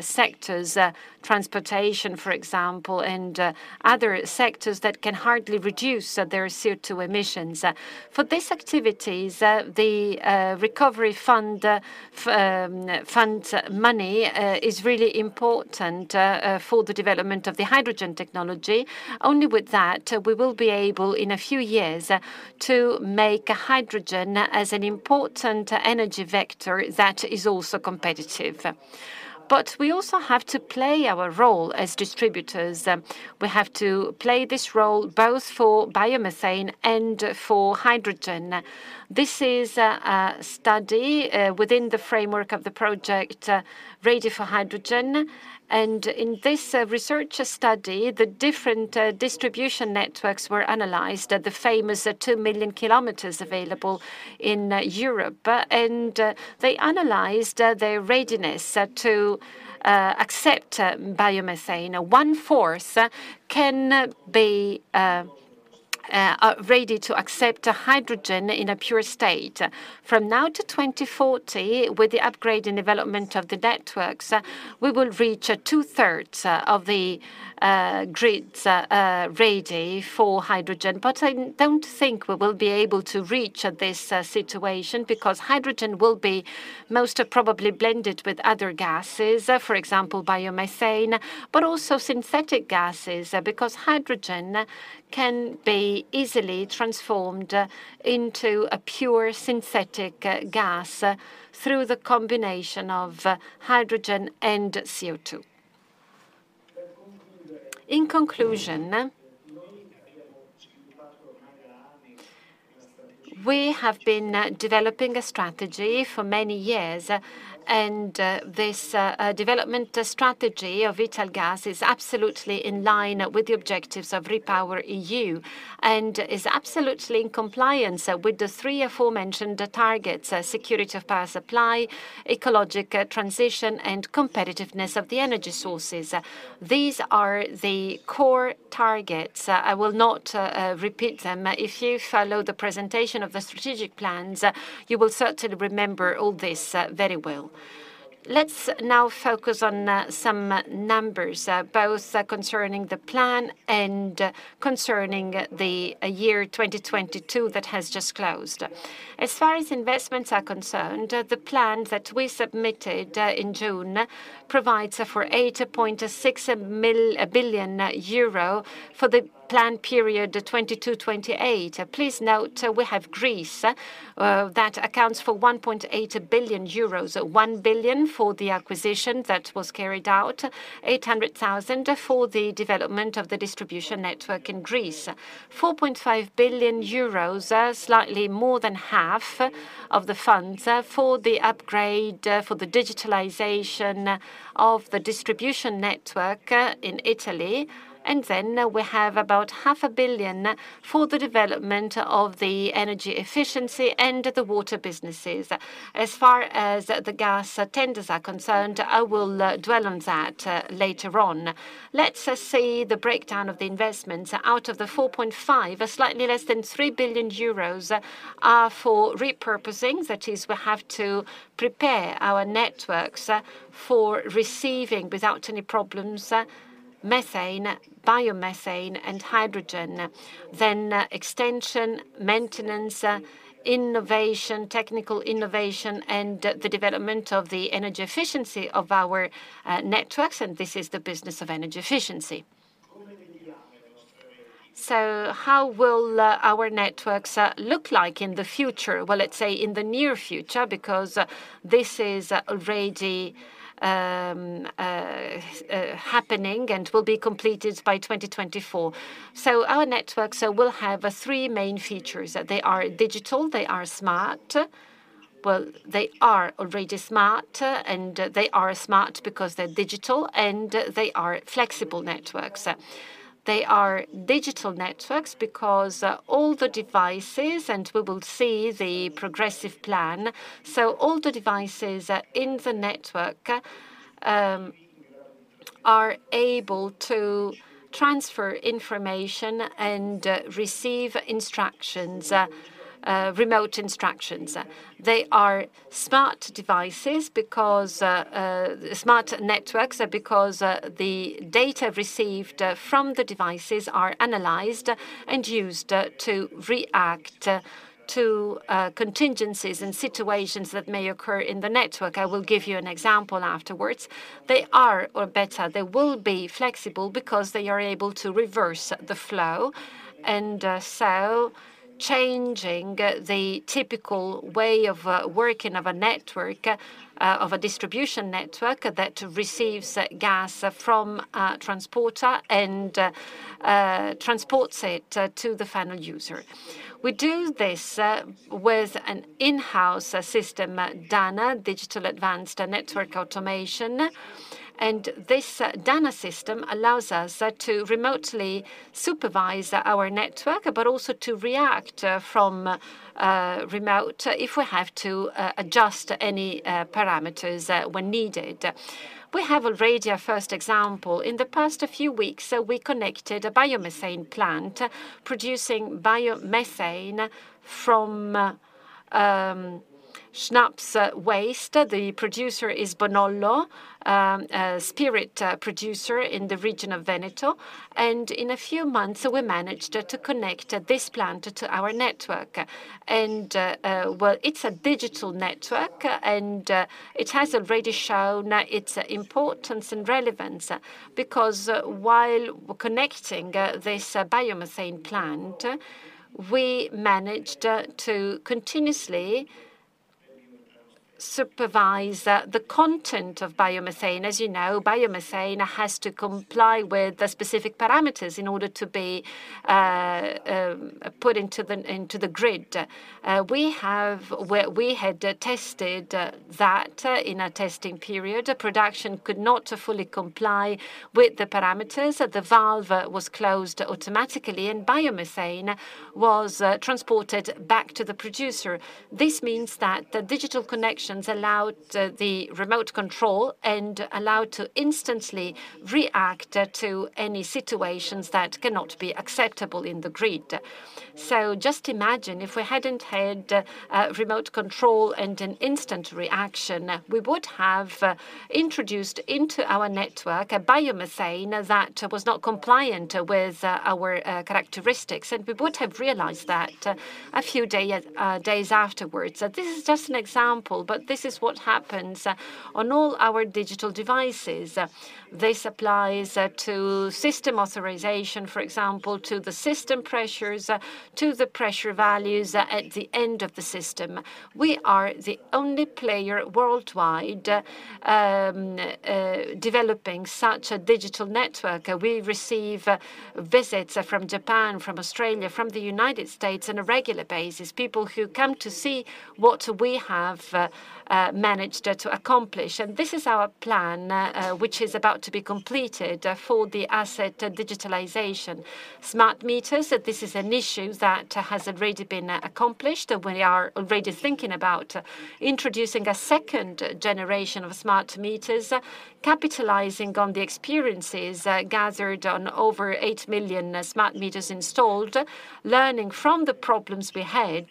sectors, transportation, for example, and other sectors that can hardly reduce their CO2 emissions. For these activities, the recovery fund money is really important for the development of the hydrogen technology. Only with that, we will be able, in a few years, to make hydrogen as an important energy vector that is also competitive. We also have to play our role as distributors. We have to play this role both for biomethane and for hydrogen. This is a study within the framework of the project Ready4H2. In this research study, the different distribution networks were analyzed, the famous 2 million km available in Europe. They analyzed their readiness to accept biomethane. One-fourth can be ready to accept hydrogen in a pure state. From now to 2040, with the upgrade and development of the networks, we will reach two-thirds of the grids ready for hydrogen. I don't think we will be able to reach this situation because hydrogen will be most probably blended with other gases, for example, biomethane, but also synthetic gases, because hydrogen can be easily transformed into a pure synthetic gas through the combination of hydrogen and CO2. In conclusion, we have been developing a strategy for many years, this development strategy of Italgas is absolutely in line with the objectives of REPowerEU and is absolutely in compliance with the three aforementioned targets, security of power supply, ecologic transition, and competitiveness of the energy sources. These are the core targets. I will not repeat them. If you follow the presentation of the strategic plans, you will certainly remember all this very well. Let's now focus on some numbers, both concerning the plan and concerning the year 2022 that has just closed. As far as investments are concerned, the plan that we submitted in June provides for 8.6 billion euro for the plan period 2022-2028. Please note, we have Greece that accounts for 1.8 billion euros, 1 billion for the acquisition that was carried out, 800,000 for the development of the distribution network in Greece. 4.5 billion euros, slightly more than half of the funds, for the upgrade, for the digitalization of the distribution network, in Italy. We have about 500 million for the development of the energy efficiency and the water businesses. As far as the gas tenders are concerned, I will dwell on that later on. Let's see the breakdown of the investments. Out of 4.5, slightly less than 3 billion euros are for repurposing. That is, we have to prepare our networks for receiving without any problems methane, biomethane, and hydrogen. Extension, maintenance, innovation, technical innovation, and the development of the energy efficiency of our networks, and this is the business of energy efficiency. How will our networks look like in the future? Let's say in the near future, because this is already happening and will be completed by 2024. Our networks will have three main features. They are digital, they are smart. Well, they are already smart. They are smart because they're digital, and they are flexible networks. They are digital networks because all the devices, and we will see the progressive plan, so all the devices in the network are able to transfer information and receive instructions, remote instructions. They are smart devices because smart networks because the data received from the devices are analyzed and used to react to contingencies and situations that may occur in the network. I will give you an example afterwards. They are, or better, they will be flexible because they are able to reverse the flow, and so changing the typical way of working of a network, of a distribution network that receives gas from a transporter and transports it to the final user. We do this with an in-house system, DANA, Digital Advanced Network Automation. This DANA system allows us to remotely supervise our network, but also to react from remote if we have to adjust any parameters when needed. We have already a first example. In the past few weeks, we connected a biomethane plant producing biomethane from schnapps waste. The producer is Bonollo, a spirit producer in the region of Veneto. In a few months, we managed to connect this plant to our network. Well, it's a digital network, it has already shown its importance and relevance because while connecting this biomethane plant, we managed to continuously supervise the content of biomethane. As you know, biomethane has to comply with the specific parameters in order to be put into the grid. We had tested that in a testing period. Production could not fully comply with the parameters. The valve was closed automatically, and biomethane was transported back to the producer. This means that the digital connections allowed the remote control and allowed to instantly react to any situations that cannot be acceptable in the grid. Just imagine if we hadn't had remote control and an instant reaction, we would have introduced into our network a biomethane that was not compliant with our characteristics, and we would have realized that a few days afterwards. This is just an example, but this is what happens on all our digital devices. This applies to system authorization, for example, to the system pressures, to the pressure values at the end of the system. We are the only player worldwide developing such a digital network. We receive visits from Japan, from Australia, from the United States on a regular basis, people who come to see what we have managed to accomplish. This is our plan, which is about to be completed for the asset digitalization. Smart meters, this is an issue that has already been accomplished. We are already thinking about introducing a second generation of smart meters, capitalizing on the experiences gathered on over 8 million smart meters installed, learning from the problems we had,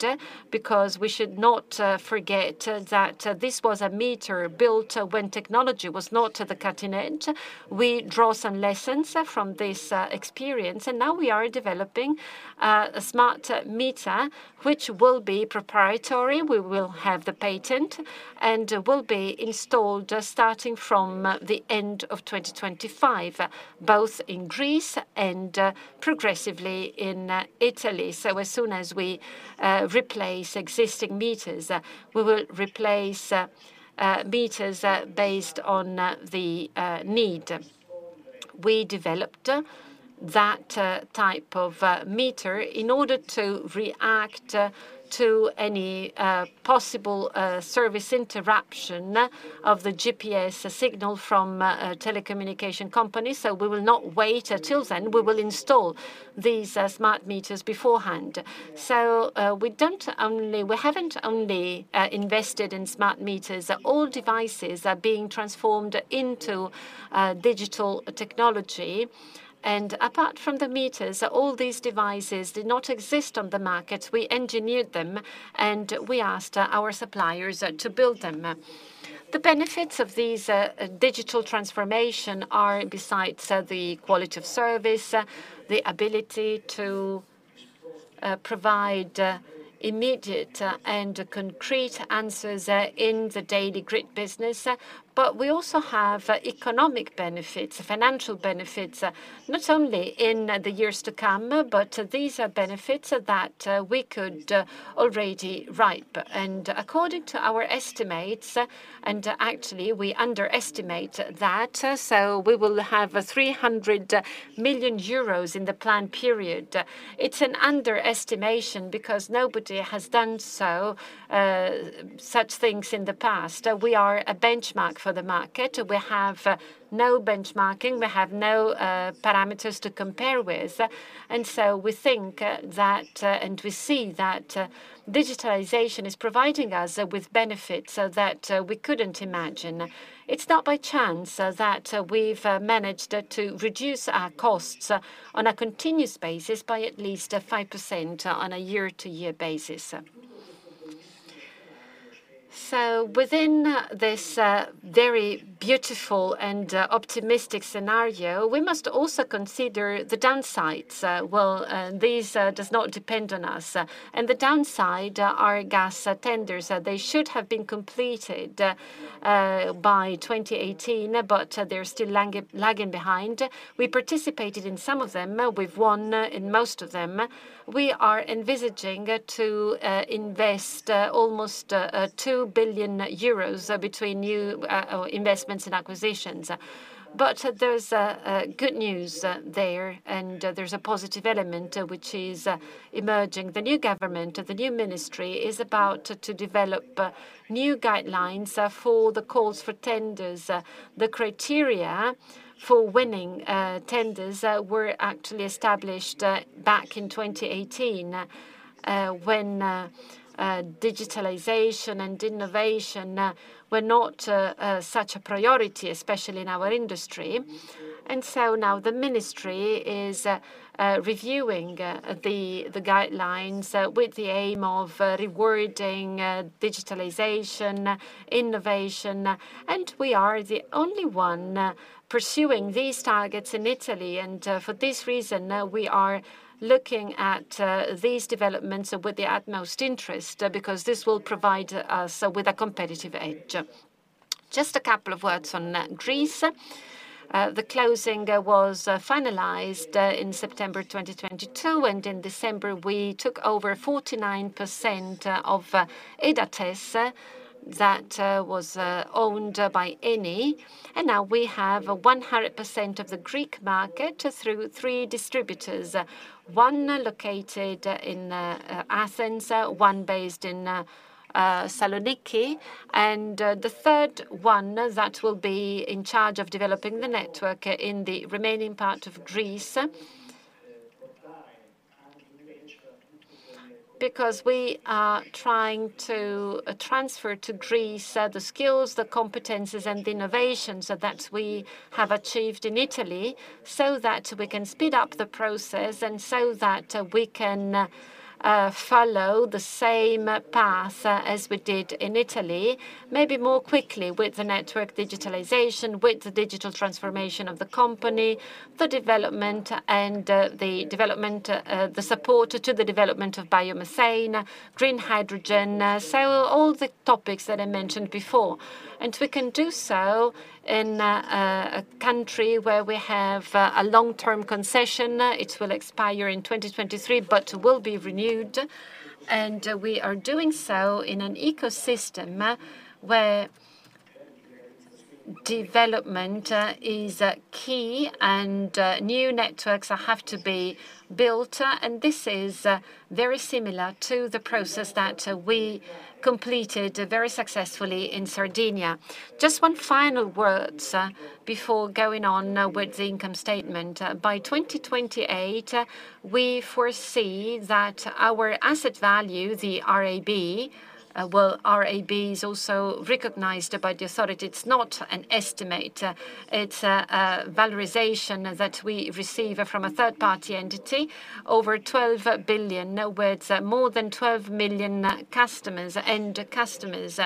because we should not forget that this was a meter built when technology was not at the cutting edge. We draw some lessons from this experience, and now we are developing a smart meter which will be proprietary. We will have the patent and will be installed starting from the end of 2025, both in Greece and progressively in Italy. As soon as we replace existing meters, we will replace meters based on the need. We developed that type of meter in order to react to any possible service interruption of the GPS signal from a telecommunication company. We will not wait until then. We will install these smart meters beforehand. We haven't only invested in smart meters. All devices are being transformed into digital technology. Apart from the meters, all these devices did not exist on the market. We engineered them, and we asked our suppliers to build them. The benefits of these digital transformation are, besides the quality of service, the ability to provide immediate and concrete answers in the daily grid business, but we also have economic benefits, financial benefits, not only in the years to come, but these are benefits that we could already ripe. According to our estimates, and actually we underestimate that, so we will have 300 million euros in the plan period. It's an underestimation because nobody has done so such things in the past. We are a benchmark for the market. We have no benchmarking. We have no parameters to compare with. We think that and we see that digitalization is providing us with benefits that we couldn't imagine. It's not by chance that we've managed to reduce our costs on a continuous basis by at least 5% on a year-to-year basis. Within this very beautiful and optimistic scenario, we must also consider the downsides. These does not depend on us. The downside are gas tenders. They should have been completed by 2018, but they're still lagging behind. We participated in some of them. We've won in most of them. We are envisaging to invest almost 2 billion euros between new investments and acquisitions. There's good news there, and there's a positive element which is emerging. The new government, the new ministry is about to develop new guidelines for the calls for tenders. The criteria for winning tenders were actually established back in 2018 when digitalization and innovation were not such a priority, especially in our industry. Now the ministry is reviewing the guidelines with the aim of rewarding digitalization, innovation. We are the only one pursuing these targets in Italy. For this reason, we are looking at these developments with the utmost interest because this will provide us with a competitive edge. Just a couple of words on Greece. The closing was finalized in September 2022, and in December, we took over 49% of EDA THESS that was owned by Eni. We have 100% of the Greek market through three distributors, one located in Athens, one based in Thessaloniki, and the third one that will be in charge of developing the network in the remaining part of Greece. Because we are trying to transfer to Greece the skills, the competencies, and the innovations that we have achieved in Italy, so that we can speed up the process and so that we can follow the same path as we did in Italy, maybe more quickly with the network digitalization, with the digital transformation of the company, the development and the development, the support to the development of biomethane, green hydrogen. All the topics that I mentioned before. We can do so in a country where we have a long-term concession. It will expire in 2023, but will be renewed. We are doing so in an ecosystem where development is key and new networks have to be built. This is very similar to the process that we completed very successfully in Sardinia. Just 1 final words before going on with the income statement. By 2028, we foresee that our asset value, the RAB, well, RAB is also recognized by the authority. It's not an estimate. It's a valorization that we receive from a third-party entity, over 12 billion, in other words, more than 12 million customers, end customers,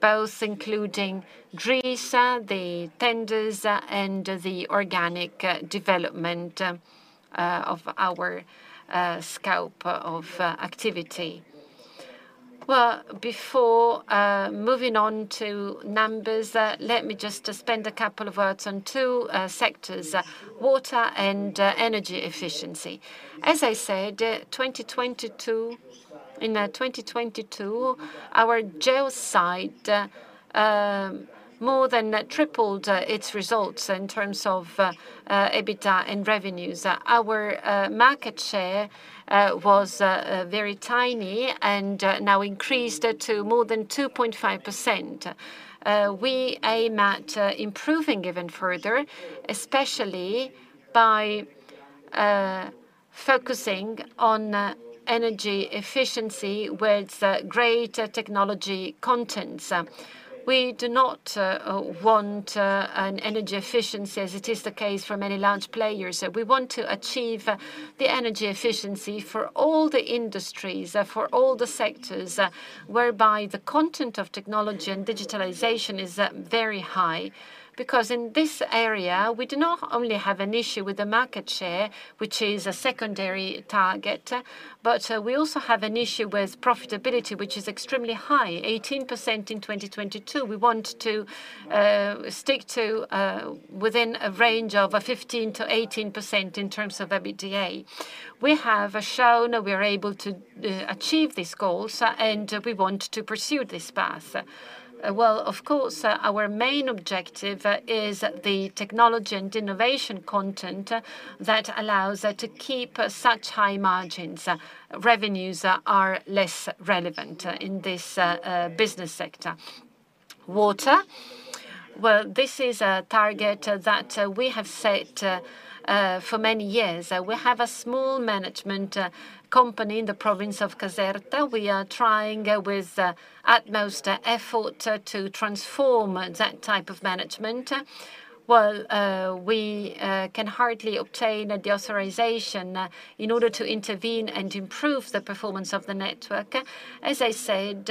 both including Greece, the tenders, and the organic development of our scope of activity. Well, before moving on to numbers, let me just spend a couple of words on two sectors, water and energy efficiency. As I said, 2022. In 2022, our Geoside more than tripled its results in terms of EBITDA and revenues. Our market share was very tiny and now increased to more than 2.5%. We aim at improving even further, especially by focusing on energy efficiency with greater technology contents. We do not want an energy efficiency as it is the case for many large players. We want to achieve the energy efficiency for all the industries, for all the sectors, whereby the content of technology and digitalization is very high. In this area, we do not only have an issue with the market share, which is a secondary target, but we also have an issue with profitability, which is extremely high, 18% in 2022. We want to stick to within a range of 15%-18% in terms of EBITDA. We have shown we are able to achieve these goals, and we want to pursue this path. Well, of course, our main objective is the technology and innovation content that allows to keep such high margins. Revenues are less relevant in this business sector. Water. Well, this is a target that we have set for many years. We have a small management company in the province of Caserta. We are trying with utmost effort to transform that type of management, while we can hardly obtain the authorization in order to intervene and improve the performance of the network. As I said,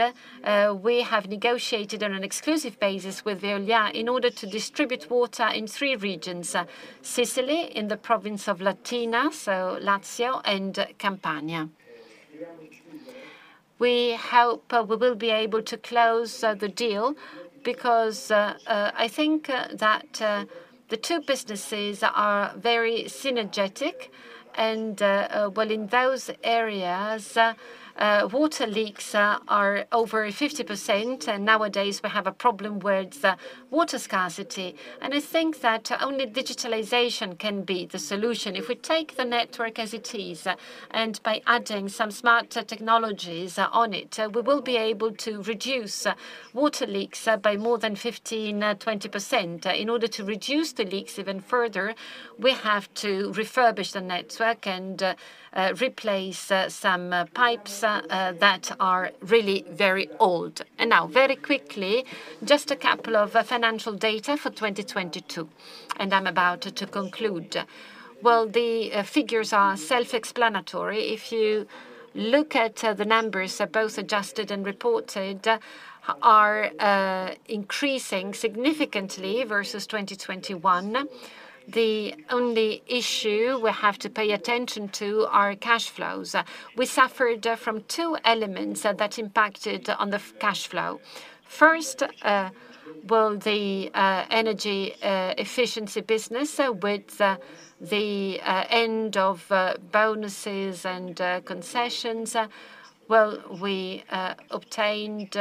we have negotiated on an exclusive basis with Veolia in order to distribute water in three regions: Sicily, in the province of Latina, so Lazio, and Campania. We hope we will be able to close the deal because I think that the two businesses are very synergetic and well, in those areas, water leaks are over 50%, and nowadays we have a problem with water scarcity. I think that only digitalization can be the solution. If we take the network as it is, by adding some smart technologies on it, we will be able to reduce water leaks by more than 15, 20%. In order to reduce the leaks even further, we have to refurbish the network and replace some pipes that are really very old. Now, very quickly, just a couple of financial data for 2022, and I'm about to conclude. Well, the figures are self-explanatory. If you look at the numbers, both adjusted and reported, are increasing significantly versus 2021. The only issue we have to pay attention to are cash flows. We suffered from two elements that impacted on the cash flow. First, well, the energy efficiency business with the end of bonuses and concessions. Well, we obtained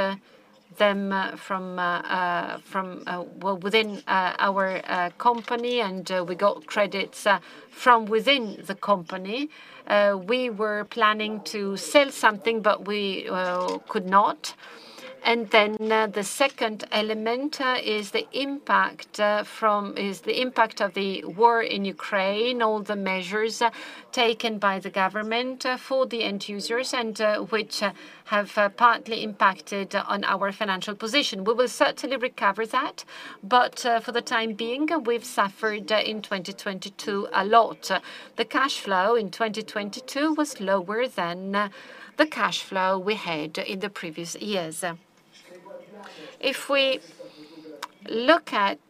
them from well, within our company, and we got credits from within the company. We were planning to sell something, but we could not. The second element is the impact of the war in Ukraine, all the measures taken by the government for the end users and which have partly impacted on our financial position. We will certainly recover that, but for the time being, we've suffered in 2022 a lot. The cash flow in 2022 was lower than the cash flow we had in the previous years. If we look at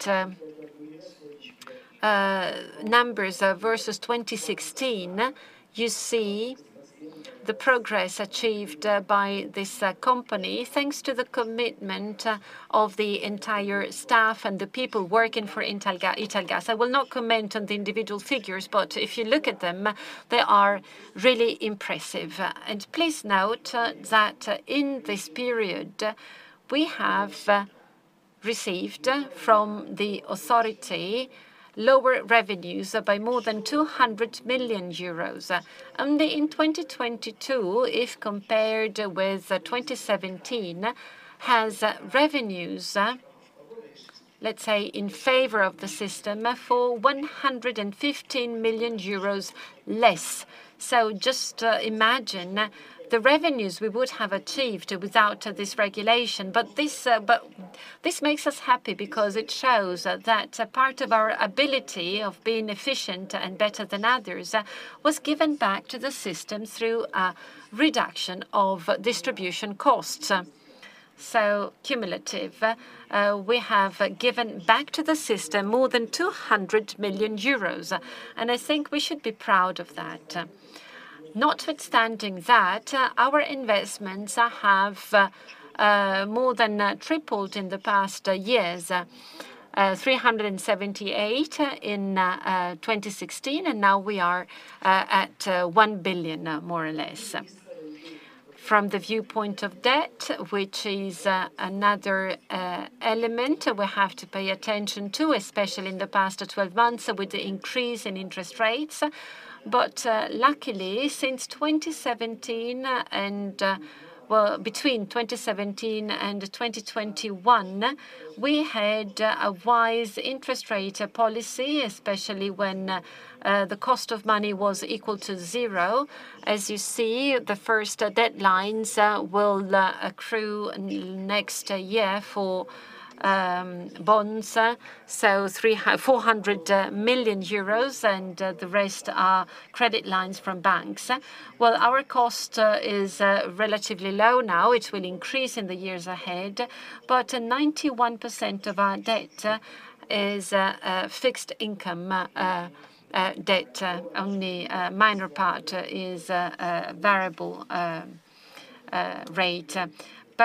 numbers versus 2016, you see the progress achieved by this company, thanks to the commitment of the entire staff and the people working for Italgas. I will not comment on the individual figures, but if you look at them, they are really impressive. Please note that in this period, we have received from the authority lower revenues by more than 200 million euros. Only in 2022, if compared with 2017, has revenues, let's say, in favor of the system for 115 million euros less. Just imagine the revenues we would have achieved without this regulation. This makes us happy because it shows that a part of our ability of being efficient and better than others was given back to the system through a reduction of distribution costs. Cumulative, we have given back to the system more than 200 million euros, and I think we should be proud of that. Notwithstanding that, our investments have more than tripled in the past years, 378 in 2016, and now we are at 1 billion, more or less. From the viewpoint of debt, which is another element we have to pay attention to, especially in the past 12 months with the increase in interest rates. Luckily, since 2017 and between 2017 and 2021 We had a wise interest rate policy, especially when the cost of money was equal to zero. As you see, the first deadlines will accrue next year for bonds. EUR 400 million, and the rest are credit lines from banks. Our cost is relatively low now. It will increase in the years ahead. 91% of our debt is fixed income debt. Only a minor part is variable rate.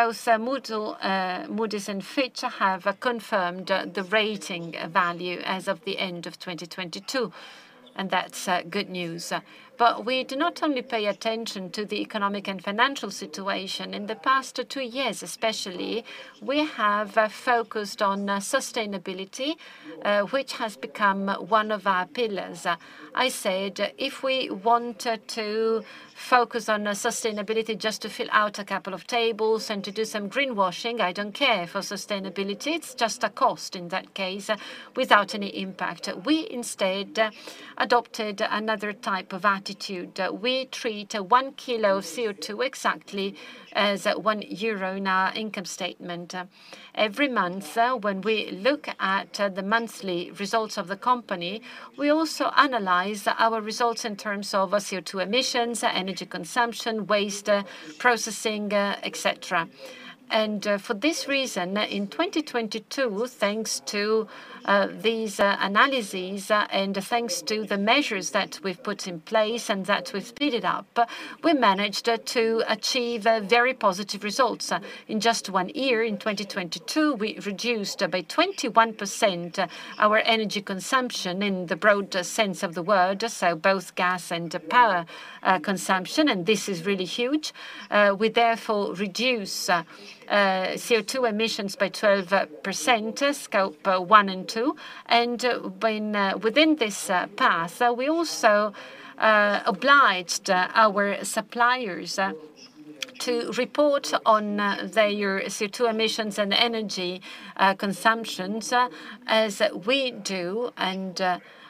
Both Moody's and Fitch have confirmed the rating value as of the end of 2022, and that's good news. We do not only pay attention to the economic and financial situation. In the past two years especially, we have focused on sustainability, which has become one of our pillars. I said, if we wanted to focus on sustainability just to fill out a couple of tables and to do some greenwashing, I don't care for sustainability. It's just a cost in that case without any impact. We instead adopted another type of attitude. We treat one kilo of CO2 exactly as one euro in our income statement. Every month, when we look at the monthly results of the company, we also analyze our results in terms of CO2 emissions, energy consumption, waste, processing, et cetera. For this reason, in 2022, thanks to these analyses, and thanks to the measures that we've put in place and that we've speeded up, we managed to achieve very positive results. In just one year, in 2022, we reduced by 21% our energy consumption in the broad sense of the word, so both gas and power consumption, and this is really huge. We therefore reduce CO2 emissions by 12%, scope one and two. When within this path, we also obliged our suppliers to report on their CO2 emissions and energy consumptions as we do.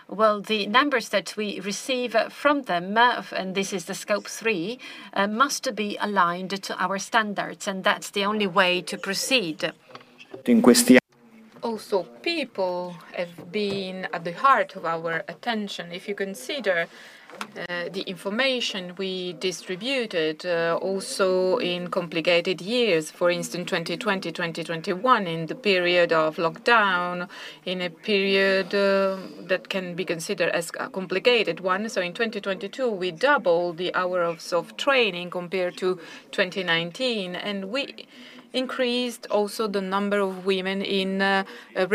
Well, the numbers that we receive from them, and this is the scope three, must be aligned to our standards, and that's the only way to proceed. Also, people have been at the heart of our attention. If you consider the information we distributed, also in complicated years, for instance, 2020, 2021, in the period of lockdown, in a period that can be considered as a complicated one. In 2022, we doubled the hours of training compared to 2019, and we increased also the number of women in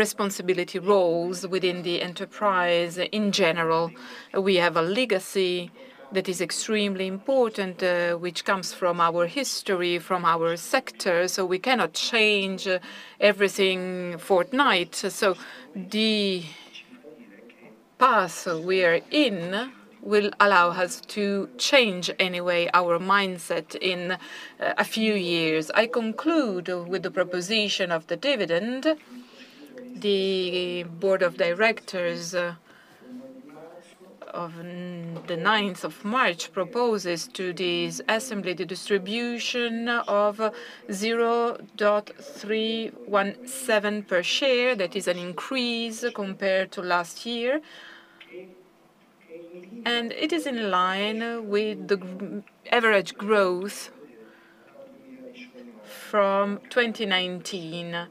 responsibility roles within the enterprise in general. We have a legacy that is extremely important, which comes from our history, from our sector, we cannot change everything fortnight. The path we are in will allow us to change, anyway, our mindset in a few years. I conclude with the proposition of the dividend. The board of directors of the 9th of March proposes to this assembly the distribution of 0.317 per share. That is an increase compared to last year. It is in line with the average growth from 2019.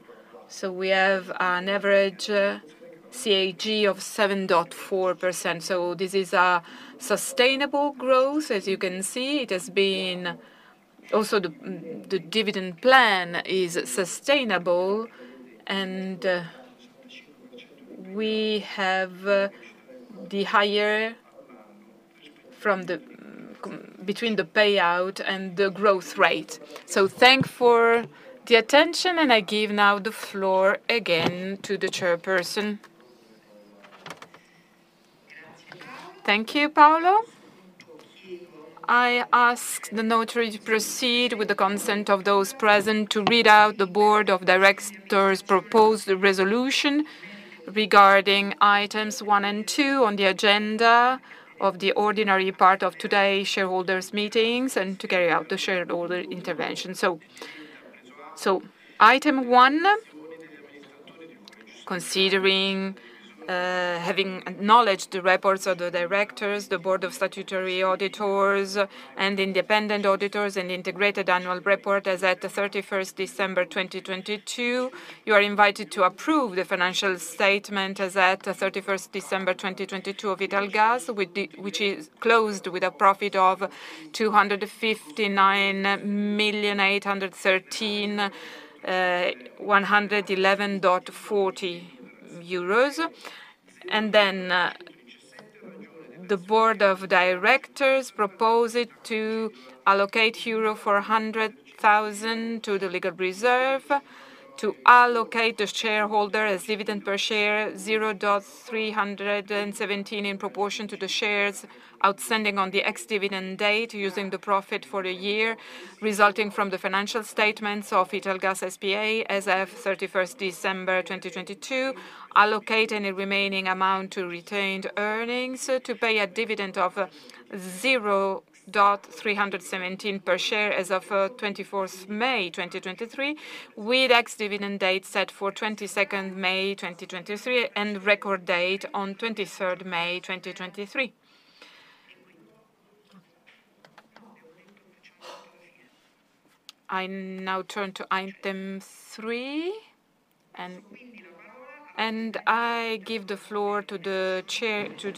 We have an average CAGR of 7.4%. This is a sustainable growth. As you can see, it has been... Also the dividend plan is sustainable, and we have the higher from the between the payout and the growth rate. Thanks for the attention, and I give now the floor again to the chairperson. Thank you, Paolo. I ask the notary to proceed with the consent of those present to read out the board of directors' proposed resolution regarding items one and two on the agenda of the ordinary part of today's shareholders meetings and to carry out the shareholder intervention. Item one, considering, having acknowledged the reports of the directors, the board of statutory auditors and independent auditors, and integrated annual report as at the 31st December 2022, you are invited to approve the financial statement as at the 31st December 2022 of Italgas, with the, which is closed with a profit of 259,813,111.40. The board of directors propose it to allocate euro 400,000 to the legal reserve, to allocate the shareholder as dividend per share 0.317 in proportion to the shares outstanding on the ex-dividend date using the profit for the year resulting from the financial statements of Italgas S.p.A. as of 31st December 2022, allocate any remaining amount to retained earnings to pay a dividend of 0.317 per share as of 24th May 2023, with ex-dividend date set for 22nd May 2023, and record date on 23rd May 2023. I now turn to item three and I give the floor to the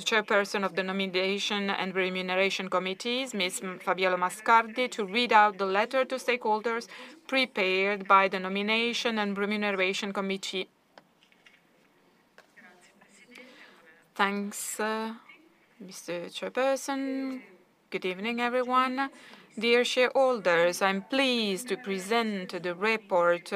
chairperson of the Nomination and Remuneration Committees, Ms. Fabiola Mascardi, to read out the letter to stakeholders prepared by the Nomination and Remuneration Committee. Thanks, Mr. Chairperson. Good evening, everyone. Dear shareholders, I'm pleased to present the report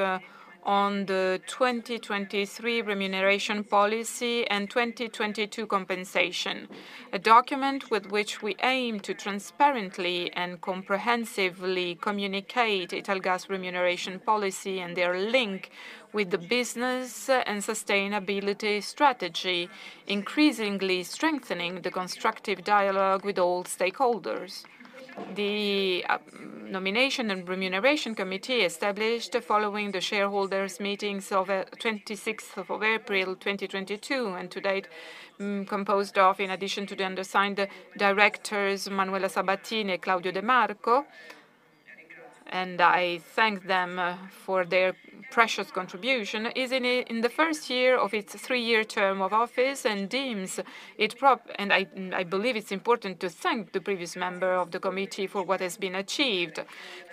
on the 2023 remuneration policy and 2022 compensation, a document with which we aim to transparently and comprehensively communicate Italgas remuneration policy and their link with the business and sustainability strategy, increasingly strengthening the constructive dialogue with all stakeholders. The Nomination and Remuneration Committee established following the shareholders' meetings of 26th of April 2022, and to date, composed of, in addition to the undersigned, directors Manuela Sabbatini and Claudio De Marco, and I thank them for their precious contribution, is in the first year of its three-year term of office and deems it and I believe it's important to thank the previous member of the committee for what has been achieved.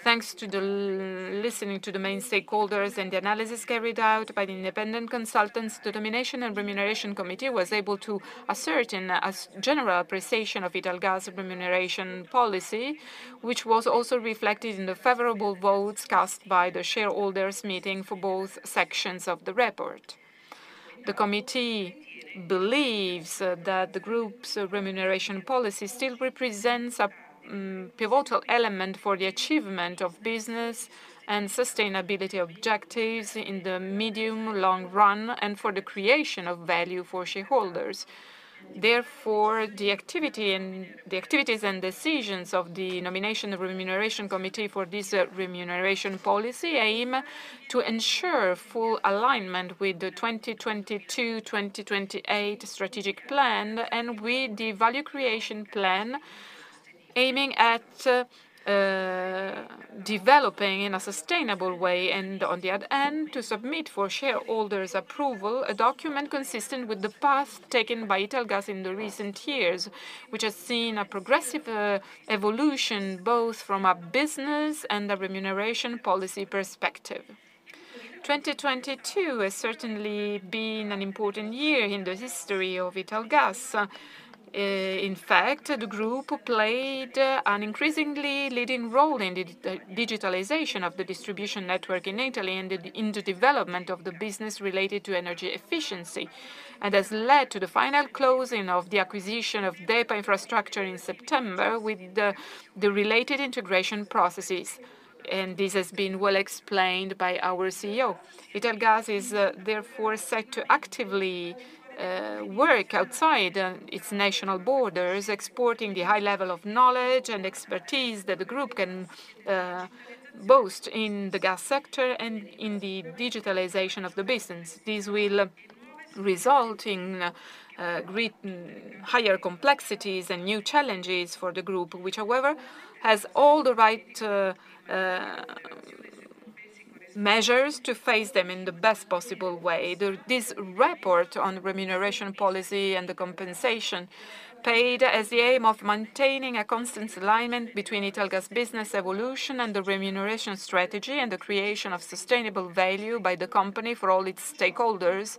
Thanks to the listening to the main stakeholders and the analysis carried out by the independent consultants, the Nomination and Remuneration Committee was able to assert in a general appreciation of Italgas remuneration policy, which was also reflected in the favorable votes cast by the shareholders meeting for both sections of the report. The committee believes that the group's remuneration policy still represents a pivotal element for the achievement of business and sustainability objectives in the medium, long run, and for the creation of value for shareholders. Therefore, the activity and... the activities and decisions of the Nomination and Remuneration Committee for this remuneration policy aim to ensure full alignment with the 2022-2028 strategic plan and with the value creation plan, aiming at developing in a sustainable way and on the odd end, to submit for shareholders' approval a document consistent with the path taken by Italgas in the recent years, which has seen a progressive evolution, both from a business and a remuneration policy perspective. 2022 has certainly been an important year in the history of Italgas. In fact, the group played an increasingly leading role in the digitalization of the distribution network in Italy and in the development of the business related to energy efficiency and has led to the final closing of the acquisition of DEPA Infrastructure in September with the related integration processes. This has been well explained by our CEO. Italgas is therefore set to actively work outside its national borders, exporting the high level of knowledge and expertise that the group can boast in the gas sector and in the digitalization of the business. This will result in great higher complexities and new challenges for the group, which, however, has all the right measures to face them in the best possible way. This report on remuneration policy and the compensation paid has the aim of maintaining a constant alignment between Italgas business evolution and the remuneration strategy and the creation of sustainable value by the company for all its stakeholders,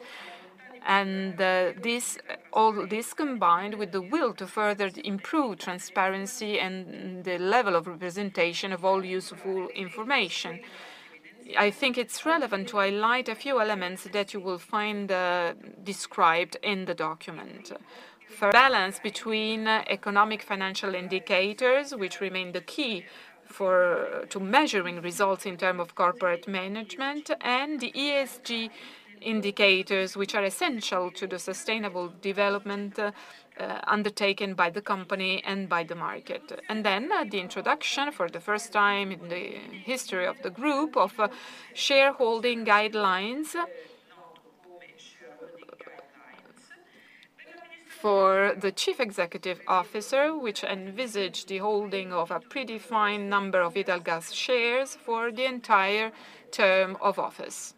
all this combined with the will to further improve transparency and the level of representation of all useful information. I think it's relevant to highlight a few elements that you will find described in the document. For balance between economic financial indicators, which remain the key for to measuring results in term of corporate management and the ESG indicators, which are essential to the sustainable development undertaken by the company and by the market. The introduction for the first time in the history of the group of shareholding guidelines for the chief executive officer, which envisage the holding of a predefined number of Italgas shares for the entire term of office.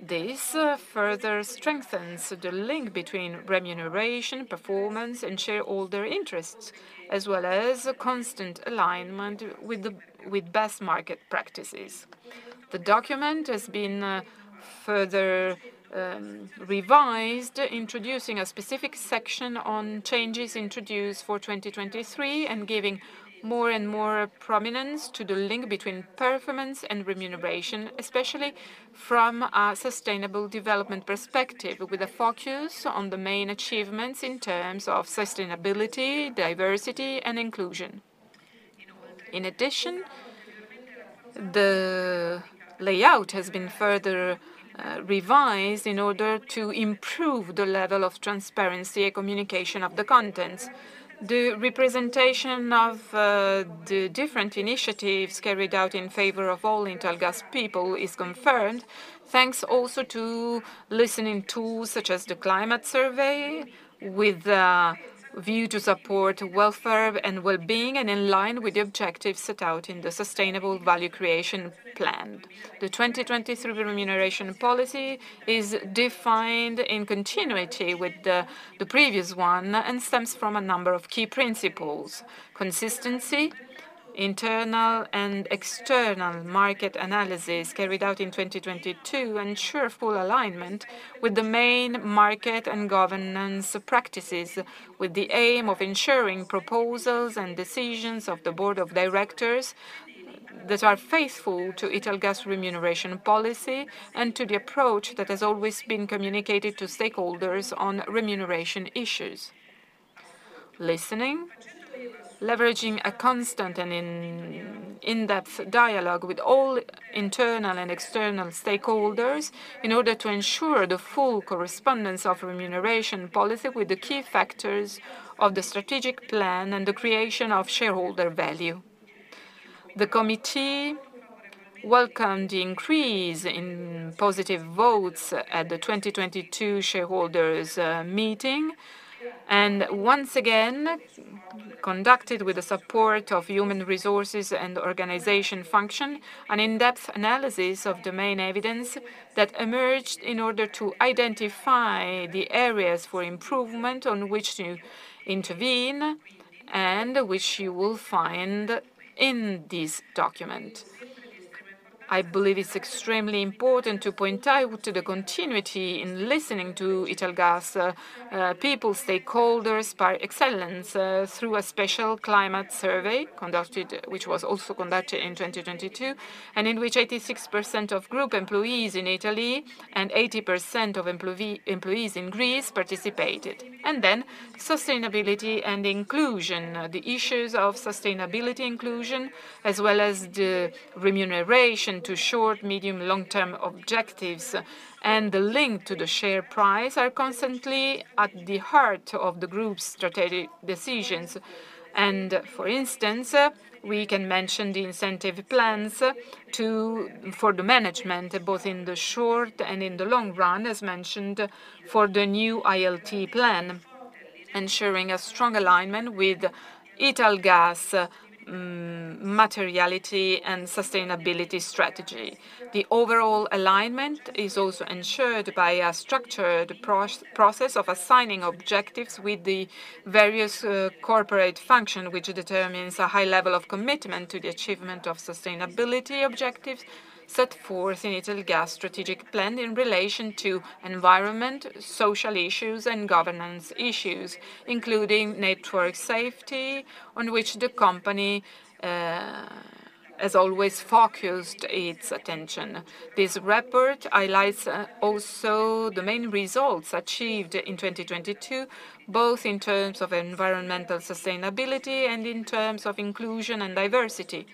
This further strengthens the link between remuneration, performance, and shareholder interests, as well as a constant alignment with best market practices. The document has been further revised, introducing a specific section on changes introduced for 2023, and giving more and more prominence to the link between performance and remuneration, especially from a sustainable development perspective, with a focus on the main achievements in terms of sustainability, diversity, and inclusion. In addition, the layout has been further revised in order to improve the level of transparency and communication of the contents. The representation of the different initiatives carried out in favor of all Italgas people is confirmed, thanks also to listening tools such as the climate survey, with view to support welfare and wellbeing, and in line with the objectives set out in the sustainable value creation plan. The 2023 remuneration policy is defined in continuity with the previous one, and stems from a number of key principles. Consistency, internal and external market analysis carried out in 2022 ensure full alignment with the main market and governance practices, with the aim of ensuring proposals and decisions of the board of directors that are faithful to Italgas remuneration policy, and to the approach that has always been communicated to stakeholders on remuneration issues. Listening, leveraging a constant and in-depth dialogue with all internal and external stakeholders in order to ensure the full correspondence of remuneration policy with the key factors of the strategic plan and the creation of shareholder value. The committee welcomed the increase in positive votes at the 2022 shareholders meeting, and once again, conducted with the support of human resources and organization function, an in-depth analysis of the main evidence that emerged in order to identify the areas for improvement on which to intervene, and which you will find in this document. I believe it's extremely important to point out to the continuity in listening to Italgas people, stakeholders par excellence, through a special climate survey conducted, which was also conducted in 2022, and in which 86% of group employees in Italy and 80% of employees in Greece participated. Sustainability and inclusion. The issues of sustainability inclusion, as well as the remuneration to short, medium, long-term objectives, and the link to the share price are constantly at the heart of the group's strategic decisions. We can mention the incentive plans to, for the management, both in the short and in the long run, as mentioned for the new LTI Plan, ensuring a strong alignment with Italgas materiality and sustainability strategy. The overall alignment is also ensured by a structured process of assigning objectives with the various corporate function, which determines a high level of commitment to the achievement of sustainability objectives set forth in Italgas strategic plan in relation to environment, social issues, and governance issues, including network safety, on which the company has always focused its attention. This report highlights also the main results achieved in 2022, both in terms of environmental sustainability and in terms of inclusion and diversity.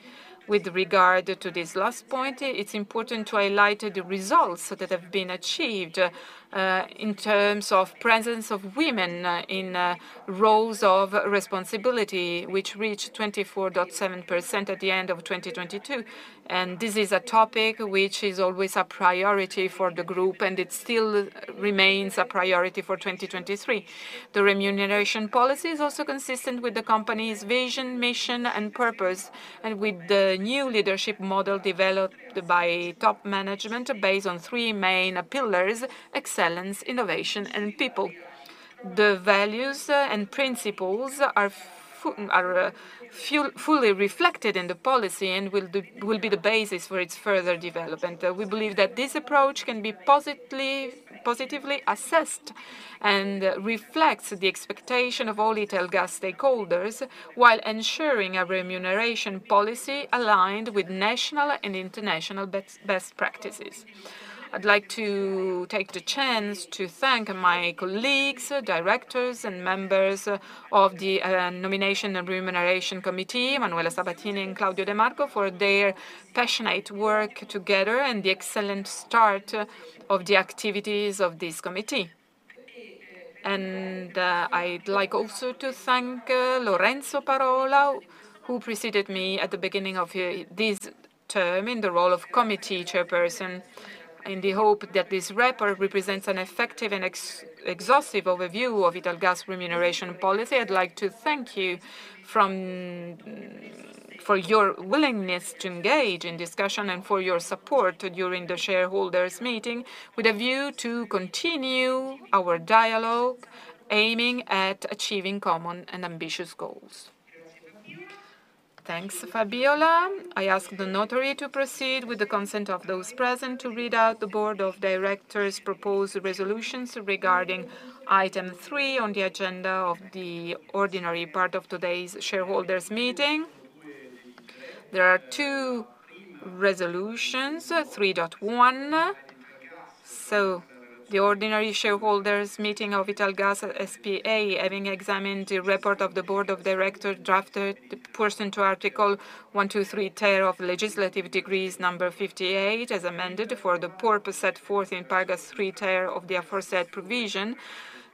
With regard to this last point, it's important to highlight the results that have been achieved in terms of presence of women in roles of responsibility, which reached 24.7% at the end of 2022. This is a topic which is always a priority for the group, and it still remains a priority for 2023. The remuneration policy is also consistent with the company's vision, mission, and purpose, and with the new leadership model developed by top management based on three main pillars: excellence, innovation, and people. The values and principles are fully reflected in the policy and will be the basis for its further development. We believe that this approach can be positively assessed and reflects the expectation of all Italgas stakeholders, while ensuring a remuneration policy aligned with national and international best practices. I'd like to take the chance to thank my colleagues, directors, and members of the nomination and remuneration committee, Manuela Sabbatini and Claudio De Marco, for their passionate work together and the excellent start of the activities of this committee. I'd like also to thank Lorenzo Parola, who preceded me at the beginning of this term in the role of committee chairperson, in the hope that this report represents an effective and exhaustive overview of Italgas remuneration policy. I'd like to thank you For your willingness to engage in discussion and for your support during the shareholders meeting with a view to continue our dialogue aiming at achieving common and ambitious goals. Thanks, Fabiola. I ask the notary to proceed with the consent of those present to read out the Board of Directors' proposed resolutions regarding item 3 on the agenda of the ordinary part of today's shareholders meeting. There are two resolutions, 3.1. The ordinary shareholders meeting of Italgas S.p.A., having examined the report of the Board of Directors drafted pursuant to Article 123-ter of Legislative Decree no. 58 as amended for the purpose set forth in paragraph 3-ter of the aforesaid provision,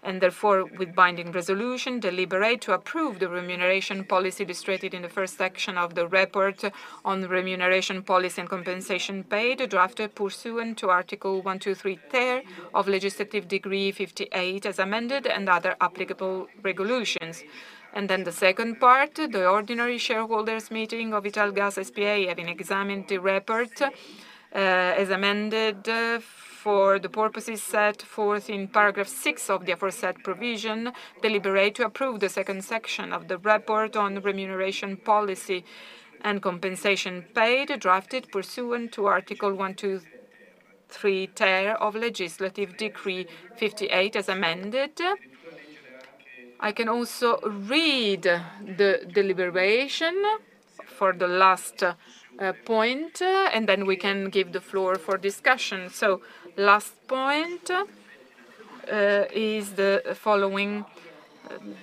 and therefore with binding resolution, deliberate to approve the remuneration policy illustrated in the first section of the report on remuneration policy and compensation paid, drafted pursuant to Article 123-ter of Legislative Decree 58 as amended and other applicable regulations. The second part, the ordinary shareholders meeting of Italgas S.p.A., having examined the report, as amended, for the purposes set forth in paragraph six of the aforesaid provision, deliberate to approve the second section of the report on remuneration policy and compensation paid, drafted pursuant to Article 123-ter of Legislative Decree 58 as amended. I can also read the deliberation for the last point, and then we can give the floor for discussion. Last point, is the following.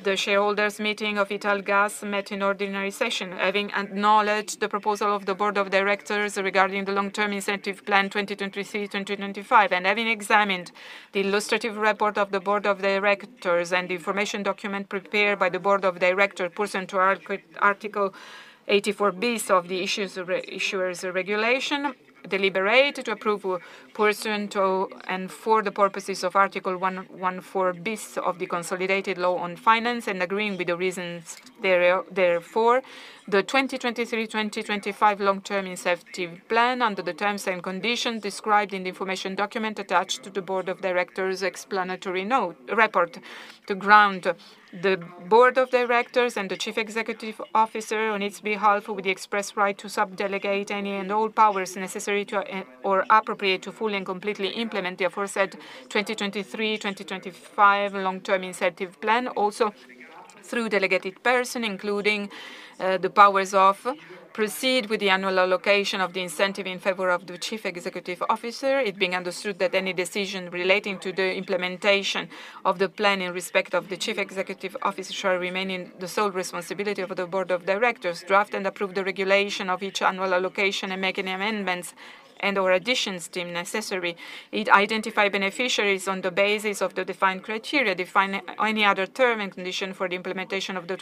The shareholders meeting of Italgas met in ordinary session, having acknowledged the proposal of the board of directors regarding the 2023-2025 Long-Term Incentive Plan, and having examined the illustrative report of the board of directors and the information document prepared by the board of directors pursuant to Article 84-bis of the Issuers' Regulation, deliberate to approve pursuant to and for the purposes of Article 114-bis of the Consolidated Law on Finance and agreeing with the reasons therefore, the 2023-2025 Long-Term Incentive Plan under the terms and conditions described in the information document attached to the board of directors report to ground the board of directors and the Chief Executive Officer on its behalf with the express right to subdelegate any and all powers necessary to or appropriate to fully and completely implement the aforesaid 2023-2025 Long-Term Incentive Plan. Also, through delegated person, including, the powers of proceed with the annual allocation of the incentive in favor of the Chief Executive Officer, it being understood that any decision relating to the implementation of the plan in respect of the Chief Executive Officer shall remain in the sole responsibility of the Board of Directors, draft and approve the regulation of each annual allocation and make any amendments and/or additions deemed necessary. It identify beneficiaries on the basis of the defined criteria, define any other term and condition for the implementation of the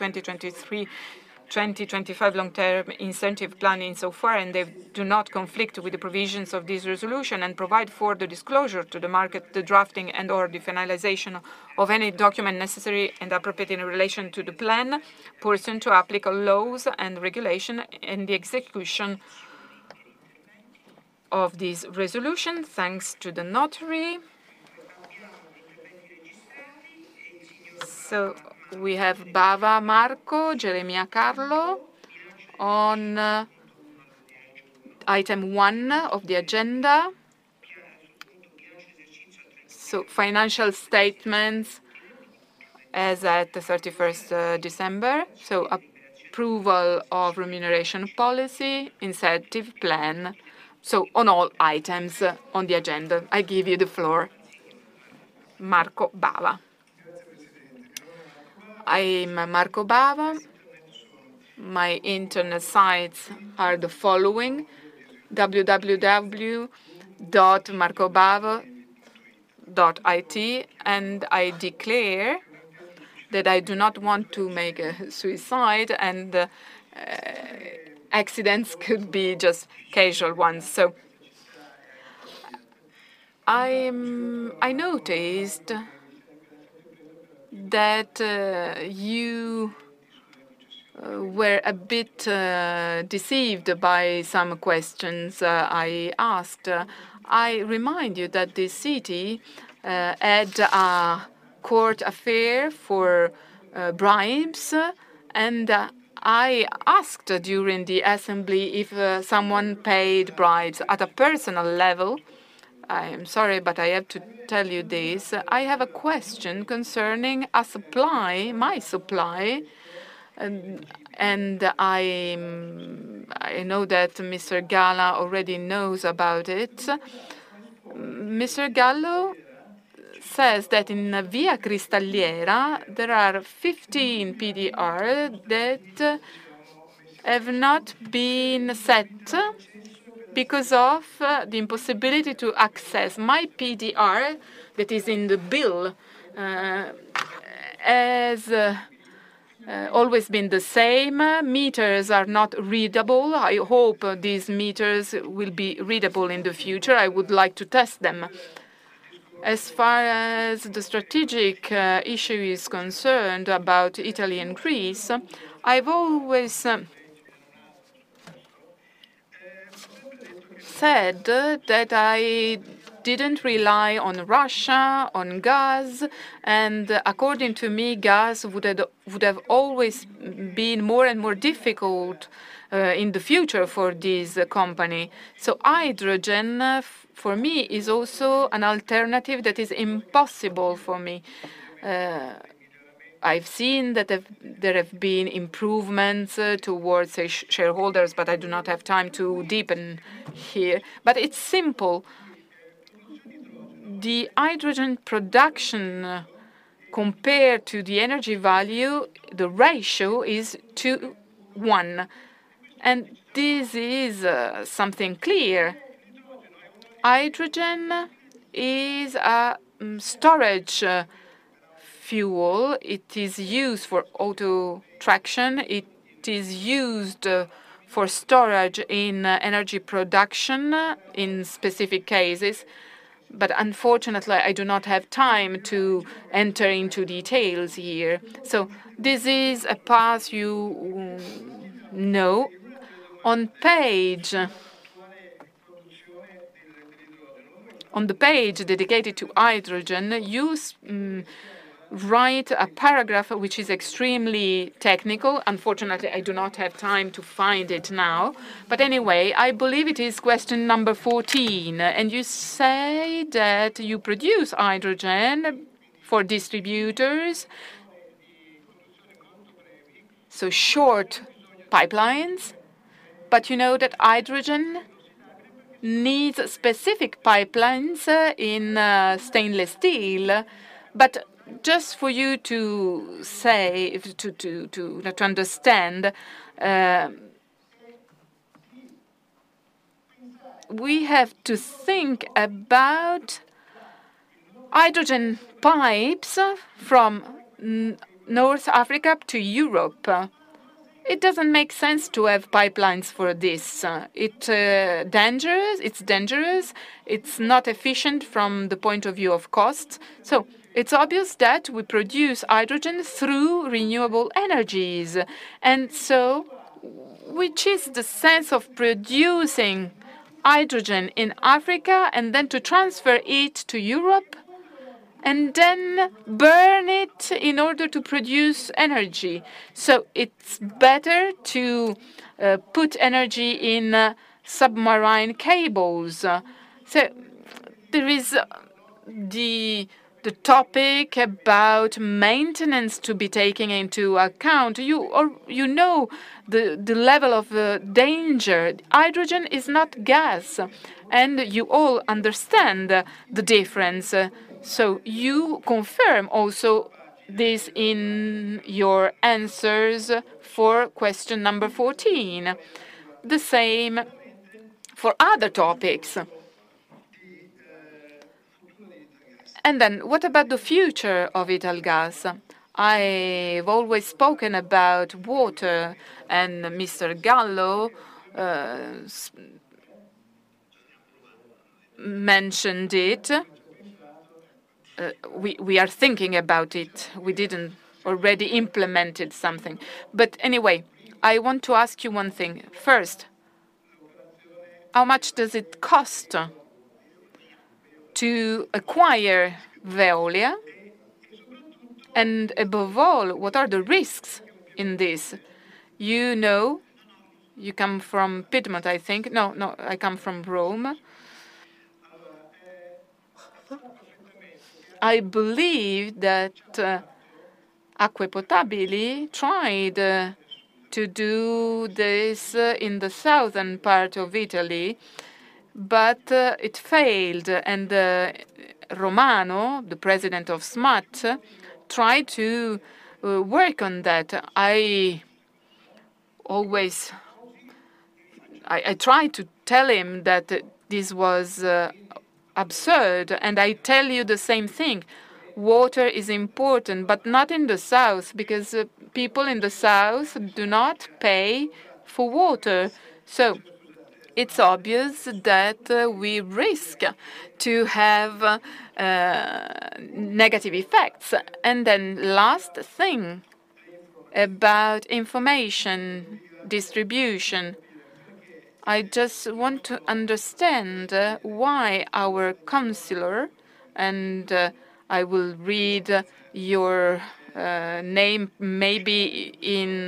2023-2025 Long-Term Incentive Plan insofar, and they do not conflict with the provisions of this resolution and provide for the disclosure to the market, the drafting and/or the finalization of any document necessary and appropriate in relation to the plan, pursuant to applicable laws and regulation in the execution of this resolution. Thanks to the notary. We have Bava Marco, Geremia Carlo on item one of the agenda. Financial statements as at 31st December. Approval of remuneration policy, incentive plan. On all items on the agenda, I give you the floor. Marco Bava. I am Marco Bava. My internet sites are the following, www.marcobava.it, and I declare that I do not want to make a suicide and accidents could be just casual ones. I noticed that you were a bit deceived by some questions I asked. I remind you that the city had a court affair for bribes, and I asked during the assembly if someone paid bribes. At a personal level, I am sorry, but I have to tell you this, I have a question concerning a supply, my supply, and I know that Mr. Gallo already knows about it. Mr. Gallo says that in Via Cristalliera, there are 15 PDR that have not been set because of the impossibility to access. My PDR that is in the bill has always been the same. Meters are not readable. I hope these meters will be readable in the future. I would like to test them. As far as the strategic issue is concerned about Italy and Greece, I've always said that I didn't rely on Russia, on gas, and according to me, gas would have always been more and more difficult in the future for this company. Hydrogen, for me, is also an alternative that is impossible for me. I've seen that there have been improvements towards shareholders, but I do not have time to deepen here. It's simple. The hydrogen production compared to the energy value, the ratio is 2:1, and this is something clear. Hydrogen is a storage fuel. It is used for auto traction. It is used for storage in energy production in specific cases. Unfortunately, I do not have time to enter into details here. This is a path you know. On the page dedicated to hydrogen, you write a paragraph which is extremely technical. Unfortunately, I do not have time to find it now. Anyway, I believe it is question number 14. You say that you produce hydrogen for distributors, so short pipelines. You know that hydrogen needs specific pipelines in stainless steel. Just for you to say, to understand, we have to think about hydrogen pipes from North Africa to Europe. It doesn't make sense to have pipelines for this. It dangerous. It's dangerous. It's not efficient from the point of view of costs. It's obvious that we produce hydrogen through renewable energies. Which is the sense of producing hydrogen in Africa and then to transfer it to Europe and then burn it in order to produce energy. It's better to put energy in submarine cables. There is the topic about maintenance to be taken into account. You know the level of danger. Hydrogen is not gas, and you all understand the difference. You confirm also this in your answers for question number 14. The same for other topics. What about the future of Italgas? I've always spoken about water, and Mr. Gallo mentioned it. We are thinking about it. We didn't already implemented something. I want to ask you one thing. First, how much does it cost to acquire Veolia? What are the risks in this? You know, you come from Piedmont, I think. No, I come from Rome. I believe that Acque Potabili tried to do this in the southern part of Italy, it failed. Romano, the president of SMAT, tried to work on that. I always tried to tell him that this was absurd, I tell you the same thing. Water is important, not in the south, because people in the south do not pay for water. It's obvious that we risk to have negative effects. Last thing about information distribution. I just want to understand why our counselor, I will read your name maybe in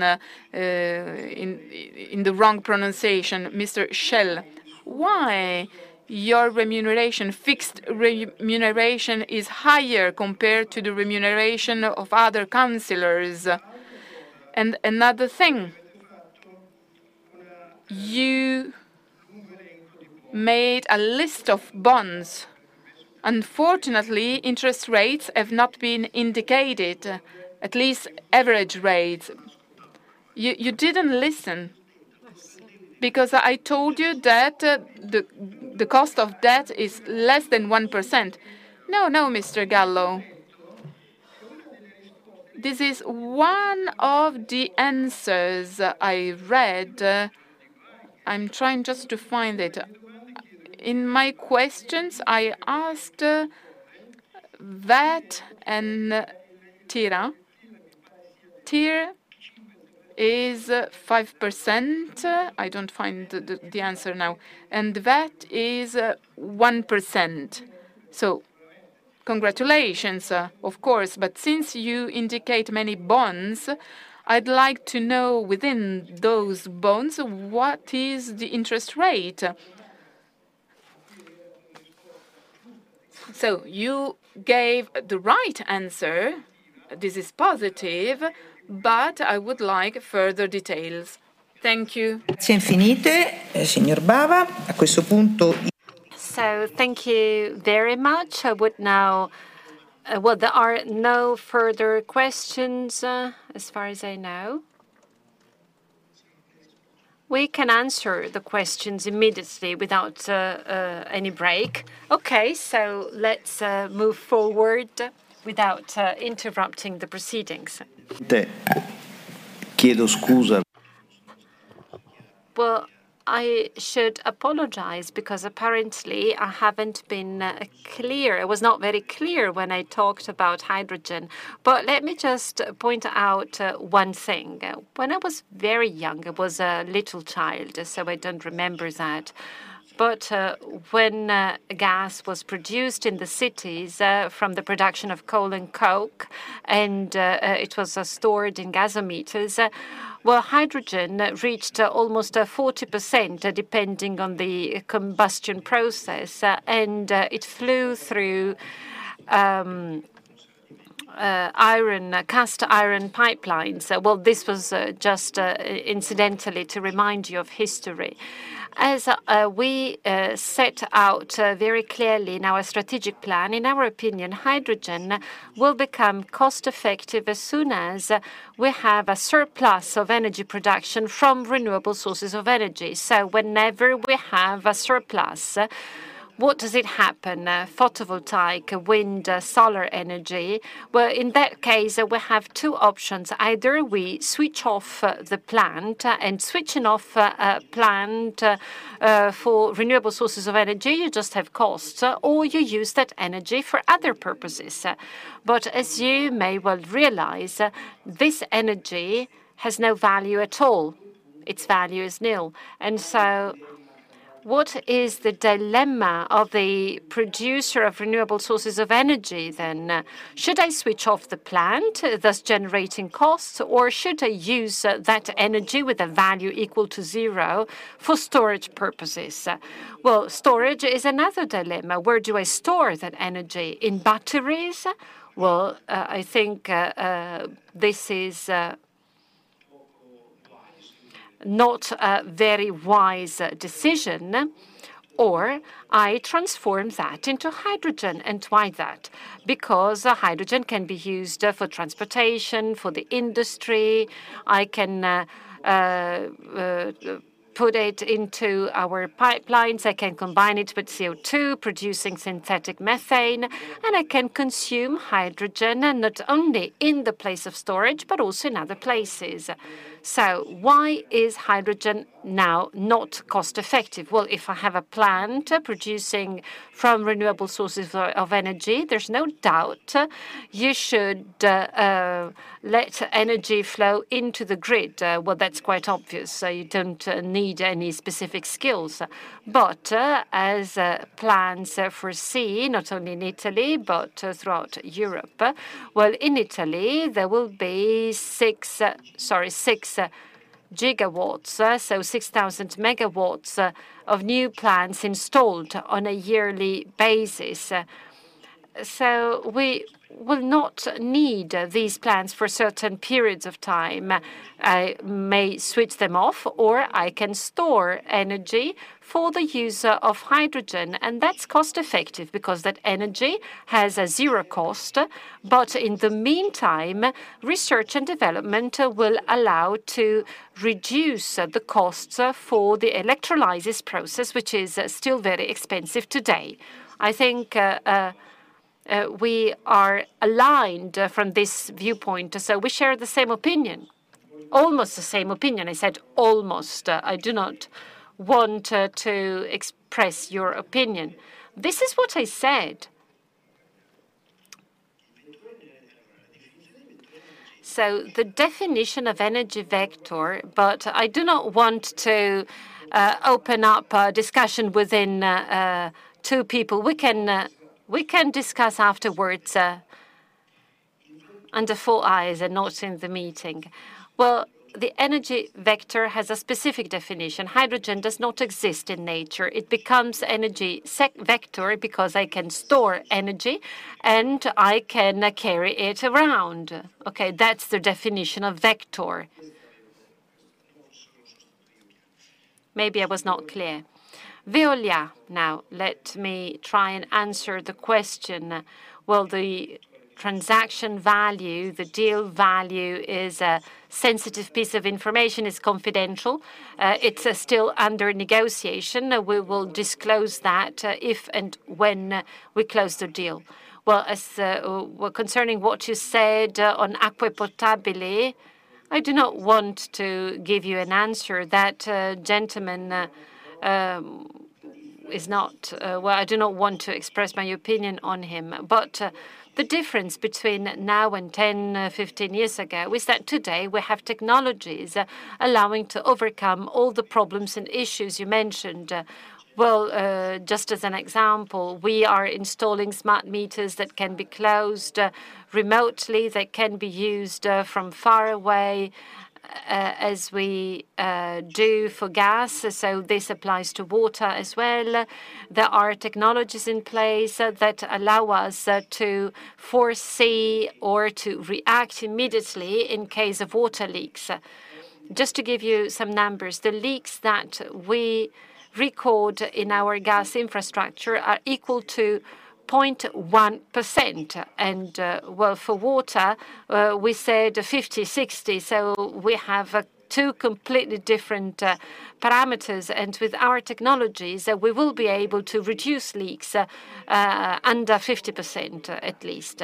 the wrong pronunciation, Mr. Schell. Why your remuneration, fixed remuneration is higher compared to the remuneration of other counselors? Another thing, you made a list of bonds. Unfortunately, interest rates have not been indicated, at least average rates. You didn't listen because I told you that the cost of debt is less than 1%. Mr. Gallo. This is one of the answers I read. I'm trying just to find it. In my questions, I asked that and TIR. TIR is 5%. I don't find the answer now, and that is 1%. Congratulations, of course, since you indicate many bonds, I'd like to know within those bonds what is the interest rate? You gave the right answer, this is positive, I would like further details. Thank you. Thank you very much. I would now. There are no further questions as far as I know. We can answer the questions immediately without any break. Let's move forward without interrupting the proceedings. I should apologize because apparently I haven't been clear. I was not very clear when I talked about hydrogen. Let me just point out one thing. When I was very young, I was a little child, so I don't remember that, but when gas was produced in the cities from the production of coal and coke, and it was stored in gasometers, hydrogen reached almost 40% depending on the combustion process, and it flew through iron, cast iron pipelines. This was just incidentally to remind you of history. As we set out very clearly in our strategic plan, in our opinion, hydrogen will become cost-effective as soon as we have a surplus of energy production from renewable sources of energy. Whenever we have a surplus, what does it happen? Photovoltaic, wind, solar energy. Well, in that case, we have two options. Either we switch off the plant, and switching off a plant for renewable sources of energy, you just have costs, or you use that energy for other purposes. As you may well realize, this energy has no value at all. Its value is nil. What is the dilemma of the producer of renewable sources of energy then? Should I switch off the plant, thus generating costs? Or should I use that energy with a value equal to zero for storage purposes? Well, storage is another dilemma. Where do I store that energy? In batteries? Well, I think this is not a very wise decision, or I transform that into hydrogen. Why that? Because hydrogen can be used for transportation, for the industry. I can put it into our pipelines. I can combine it with CO2, producing synthetic methane, and I can consume hydrogen, and not only in the place of storage, but also in other places. Why is hydrogen now not cost effective? Well, if I have a plant producing from renewable sources of energy, there's no doubt you should let energy flow into the grid. Well, that's quite obvious. You don't need any specific skills. As plants foresee, not only in Italy, but throughout Europe, well, in Italy, there will be 6 GW, so 6,000 megawatts, of new plants installed on a yearly basis. So we will not need these plants for certain periods of time. I may switch them off, or I can store energy for the use of hydrogen. That's cost effective because that energy has a zero cost. In the meantime, research and development will allow to reduce the costs for the electrolysis process, which is still very expensive today. I think we are aligned from this viewpoint, so we share the same opinion. Almost the same opinion. I said almost. I do not want to express your opinion. This is what I said. The definition of energy vector, but I do not want to open up a discussion within two people. We can discuss afterwards under four eyes and not in the meeting. The energy vector has a specific definition. Hydrogen does not exist in nature. It becomes energy vector because I can store energy and I can carry it around. Okay? That's the definition of vector. Maybe I was not clear. Veolia, now let me try and answer the question. The transaction value, the deal value is a sensitive piece of information. It's confidential. It's still under negotiation. We will disclose that if and when we close the deal. As well, concerning what you said on Acque Potabili, I do not want to give you an answer. That gentleman is not... I do not want to express my opinion on him. The difference between now and 10, 15 years ago is that today we have technologies allowing to overcome all the problems and issues you mentioned. Just as an example, we are installing smart meters that can be closed remotely, that can be used from far away, as we do for gas, so this applies to water as well. There are technologies in place that allow us to foresee or to react immediately in case of water leaks. Just to give you some numbers, the leaks that we record in our gas infrastructure are equal to 0.1%. Well, for water, we said 50, 60, so we have two completely different parameters. With our technologies, we will be able to reduce leaks under 50% at least.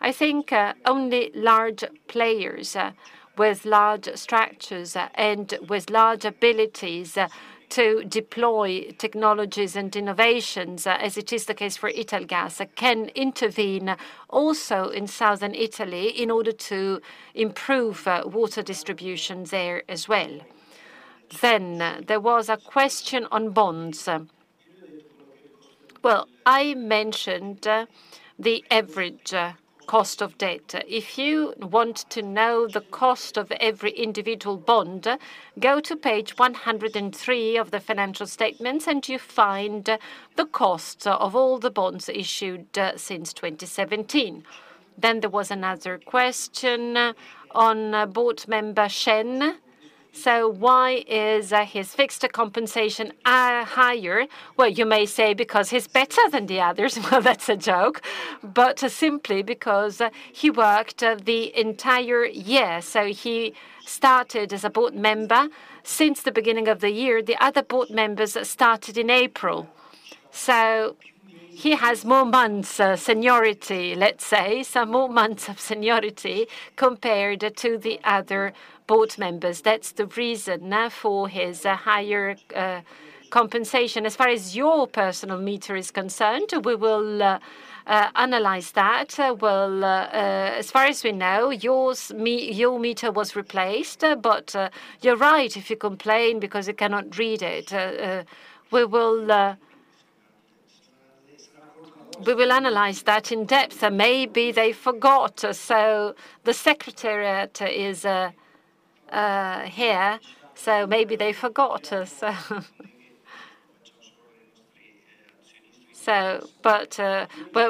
I think only large players with large structures and with large abilities to deploy technologies and innovations, as it is the case for Italgas, can intervene also in Southern Italy in order to improve water distribution there as well. There was a question on bonds. Well, I mentioned the average cost of debt. If you want to know the cost of every individual bond, go to page 103 of the financial statements, and you find the costs of all the bonds issued since 2017. There was another question on board member Shen. Why is his fixed compensation higher? Well, you may say because he's better than the others. Well, that's a joke. Simply because he worked the entire year, he started as a board member since the beginning of the year. The other board members started in April. He has more months seniority, let's say, more months of seniority compared to the other board members. That's the reason for his higher compensation. As far as your personal meter is concerned, we will analyze that. Well, as far as we know, your meter was replaced, but you're right if you complain because you cannot read it. We will analyze that in depth. Maybe they forgot, the secretariat is here, maybe they forgot.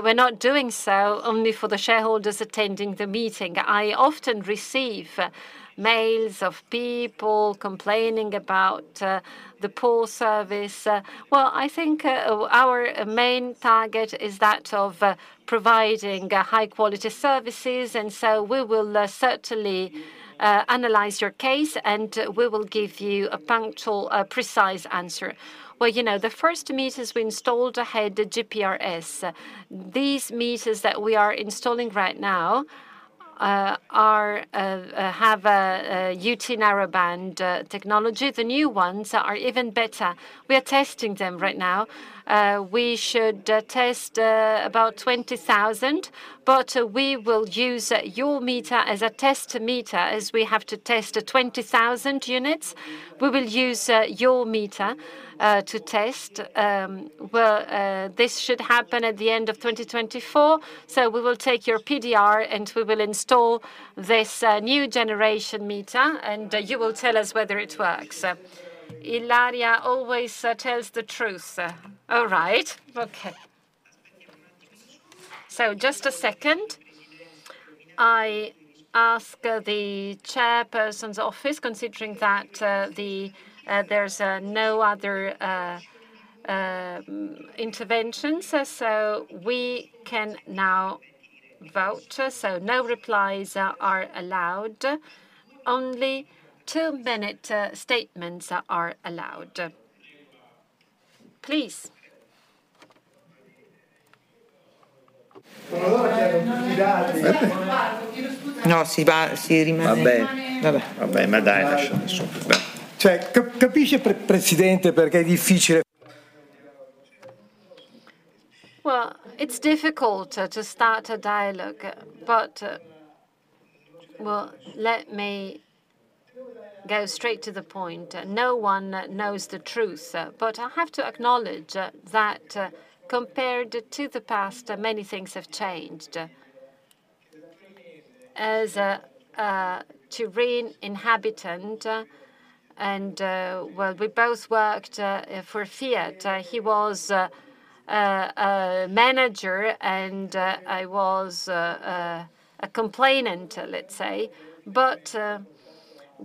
We're not doing so only for the shareholders attending the meeting. I often receive mails of people complaining about the poor service. Well, I think our main target is that of providing high-quality services, and we will certainly analyze your case, and we will give you a punctual, precise answer. Well, you know, the first meters we installed had GPRS. These meters that we are installing right now are have NB-IoT narrowband technology. The new ones are even better. We are testing them right now. We should test about 20,000, but we will use your meter as a test meter as we have to test 20,000 units. We will use your meter to test. Well, this should happen at the end of 2024. We will take your PDR, and we will install this new generation meter, and you will tell us whether it works. Ilaria always tells the truth. All right. Okay. Just a second. I ask the chairperson's office, considering that there's no other interventions, so we can now vote. No replies are allowed. Only two-minute statements are allowed. Please. Well, it's difficult to start a dialogue, but, well, let me go straight to the point. No one knows the truth, but I have to acknowledge that compared to the past, many things have changed. As a Turin inhabitant and, well, we both worked for Fiat. He was a manager, and I was a complainant, let's say.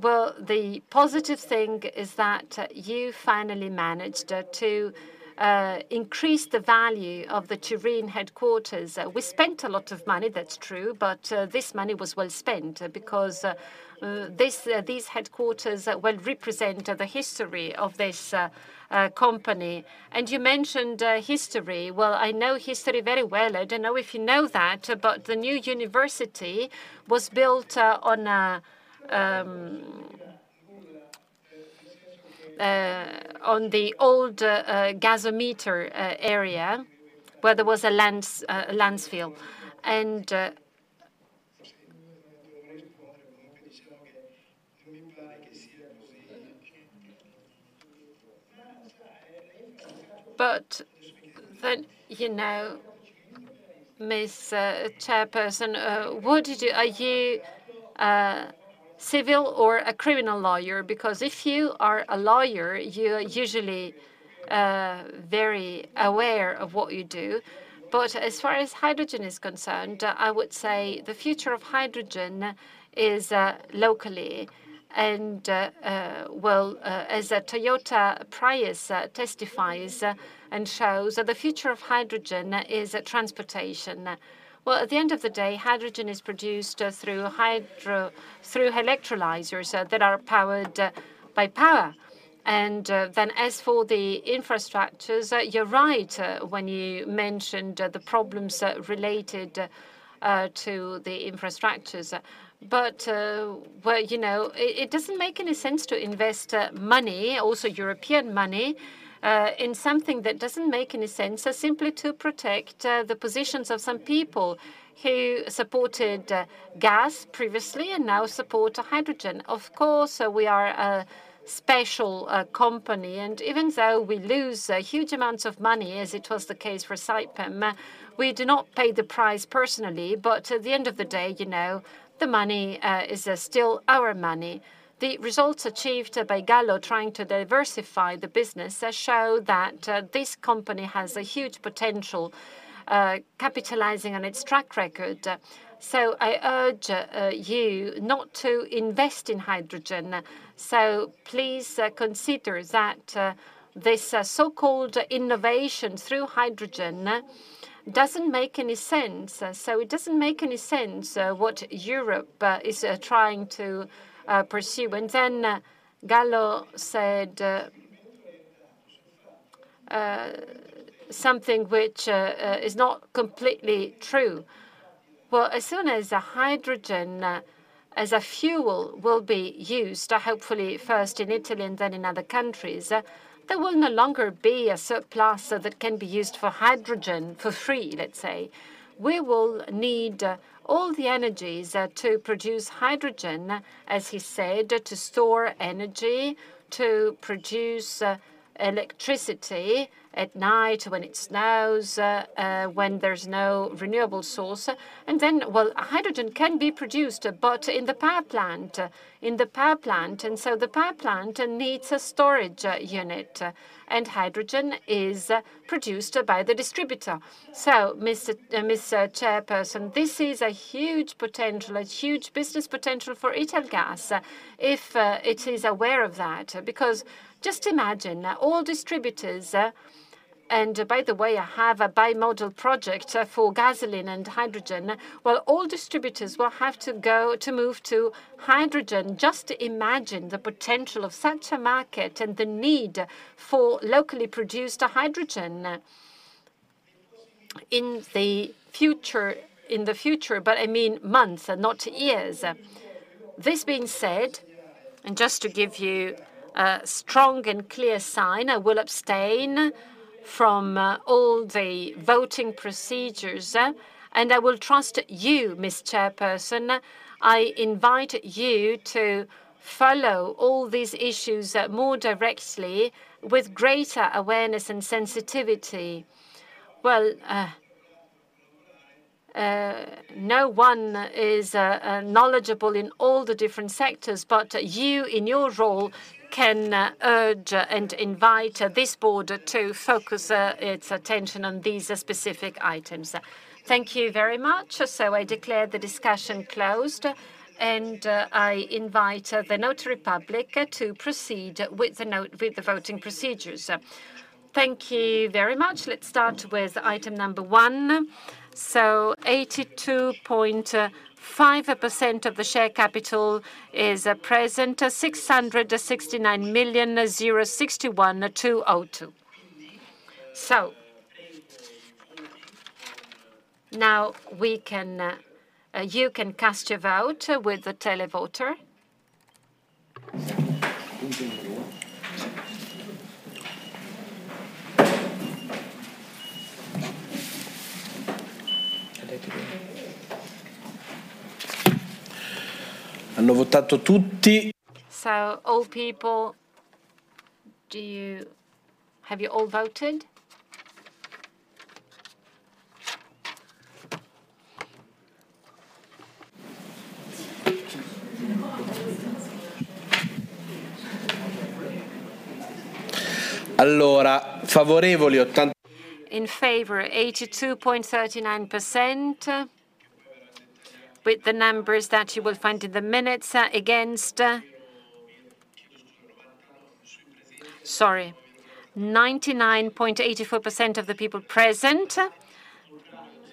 Well, the positive thing is that you finally managed to increase the value of the Turin headquarters. We spent a lot of money, that's true, but this money was well spent because this these headquarters well represent the history of this company. You mentioned history. Well, I know history very well. I don't know if you know that, but the new university was built on the old gasometer area where there was a lands field. You know, Miss Chairperson, Are you a civil or a criminal lawyer? Because if you are a lawyer, you are usually very aware of what you do. As far as hydrogen is concerned, I would say the future of hydrogen is locally. Well, as Toyota Prius testifies and shows, the future of hydrogen is transportation. Well, at the end of the day, hydrogen is produced through electrolyzers that are powered by power. Then as for the infrastructures, you're right when you mentioned the problems related to the infrastructures. Well, you know, it doesn't make any sense to invest money, also European money, in something that doesn't make any sense simply to protect the positions of some people who supported gas previously and now support hydrogen. Of course, we are a special company, and even though we lose huge amounts of money, as it was the case for Saipem, we do not pay the price personally. At the end of the day, you know, the money is still our money. The results achieved by Paolo Gallo trying to diversify the business show that this company has a huge potential, capitalizing on its track record. I urge you not to invest in hydrogen. Please consider that this so-called innovation through hydrogen doesn't make any sense. It doesn't make any sense what Europe is trying to pursue. Paolo Gallo said something which is not completely true. Well, as soon as hydrogen as a fuel will be used, hopefully first in Italy and then in other countries, there will no longer be a surplus that can be used for hydrogen for free, let's say. We will need all the energies to produce hydrogen, as he said, to store energy, to produce electricity at night when it snows, when there's no renewable source. Well, hydrogen can be produced, but in the power plant. In the power plant. The power plant needs a storage unit, and hydrogen is produced by the distributor. Mr. Chairperson, this is a huge potential, a huge business potential for Italgas if it is aware of that. Just imagine all distributors, and by the way, I have a bimodal project for gasoline and hydrogen, well, all distributors will have to go to move to hydrogen. Just imagine the potential of such a market and the need for locally produced hydrogen in the future, in the future, but I mean months and not years. This being said, and just to give you a strong and clear sign, I will abstain from all the voting procedures, and I will trust you, Mr. Chairperson. I invite you to follow all these issues more directly with greater awareness and sensitivity. No one is knowledgeable in all the different sectors, but you, in your role, can urge and invite this board to focus its attention on these specific items. Thank you very much. I declare the discussion closed, and I invite the Notary Public to proceed with the voting procedures. Thank you very much. Let's start with item number one. 82.5% of the share capital is present, 669,061,202. Now we can, you can cast your vote with the televoter. Old people, have you all voted? In favor, 82.39%. With the numbers that you will find in the minutes, against... Sorry. 99.84% of the people present.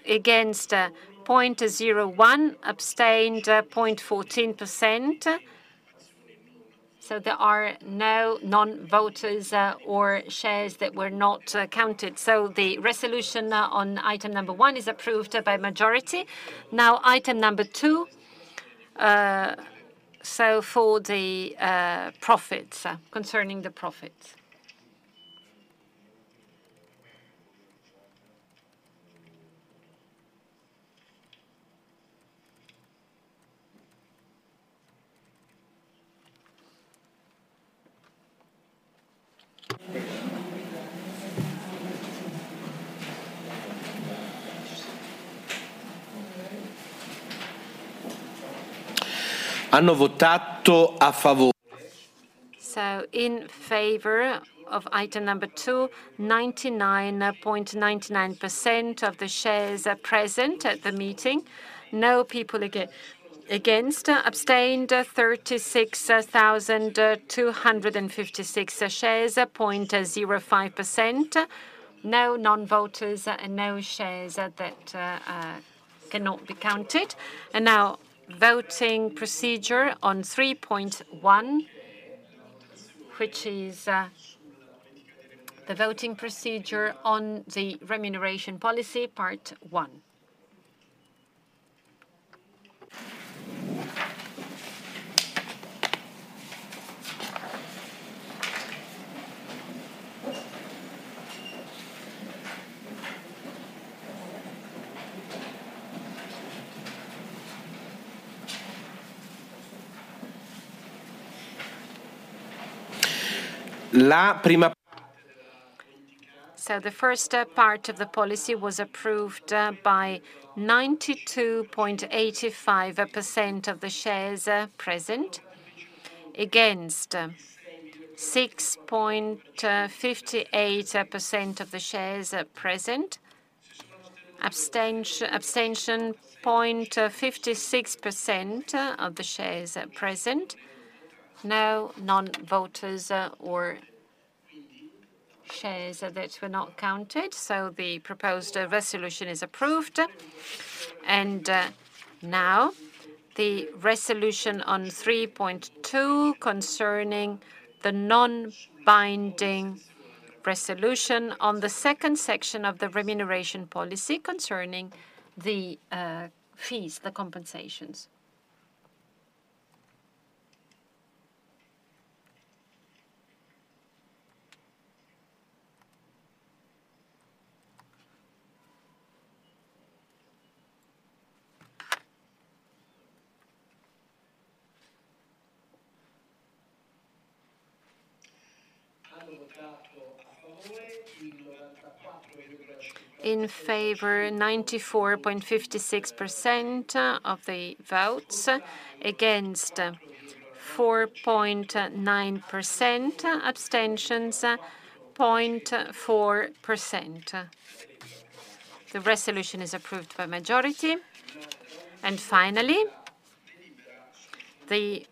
Against 0.01%. Abstained 0.14%. There are no non-voters or shares that were not counted. The resolution on item 1 is approved by majority. Now item number two. For the profits, concerning the profits. In favor of item two, 99.99% of the shares are present at the meeting. No people against. Abstained 36,256 shares, 0.05%. No non-voters and no shares that cannot be counted. Now voting procedure on 3.1, which is the voting procedure on the remuneration policy, part one. The first part of the policy was approved by 92.85% of the shares present. Against 6.58% of the shares present. Abstention 0.56% of the shares present. No non-voters or shares that were not counted. The proposed resolution is approved. Now the resolution on 3.2 concerning the non-binding resolution on the second section of the remuneration policy concerning the fees, the compensations. In favor, 94.56% of the votes. Against, 4.9%. Abstentions, 0.4%. The resolution is approved by majority. Finally, the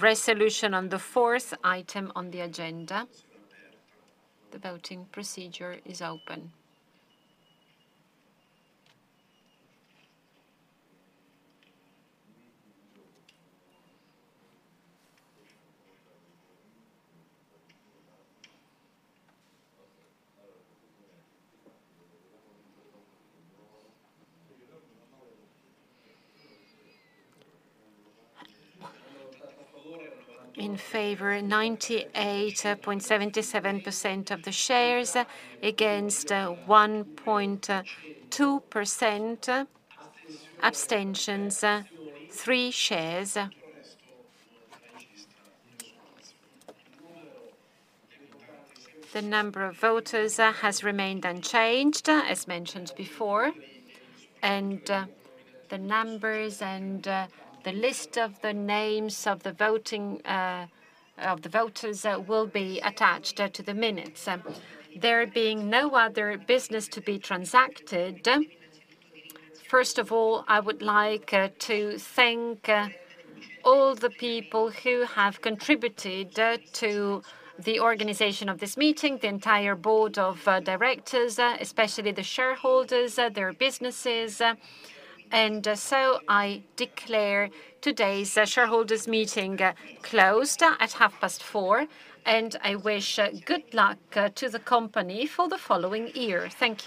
resolution on the fourth item on the agenda. The voting procedure is open. In favor, 98.77% of the shares. Against, 1.2%. Abstentions, three shares. The number of voters has remained unchanged, as mentioned before. The numbers and the list of the names of the voting of the voters will be attached to the minutes. There being no other business to be transacted, first of all, I would like to thank all the people who have contributed to the organization of this meeting, the entire board of directors, especially the shareholders, their businesses. I declare today's shareholders meeting closed at 4:30 P.M., and I wish good luck to the company for the following year. Thank you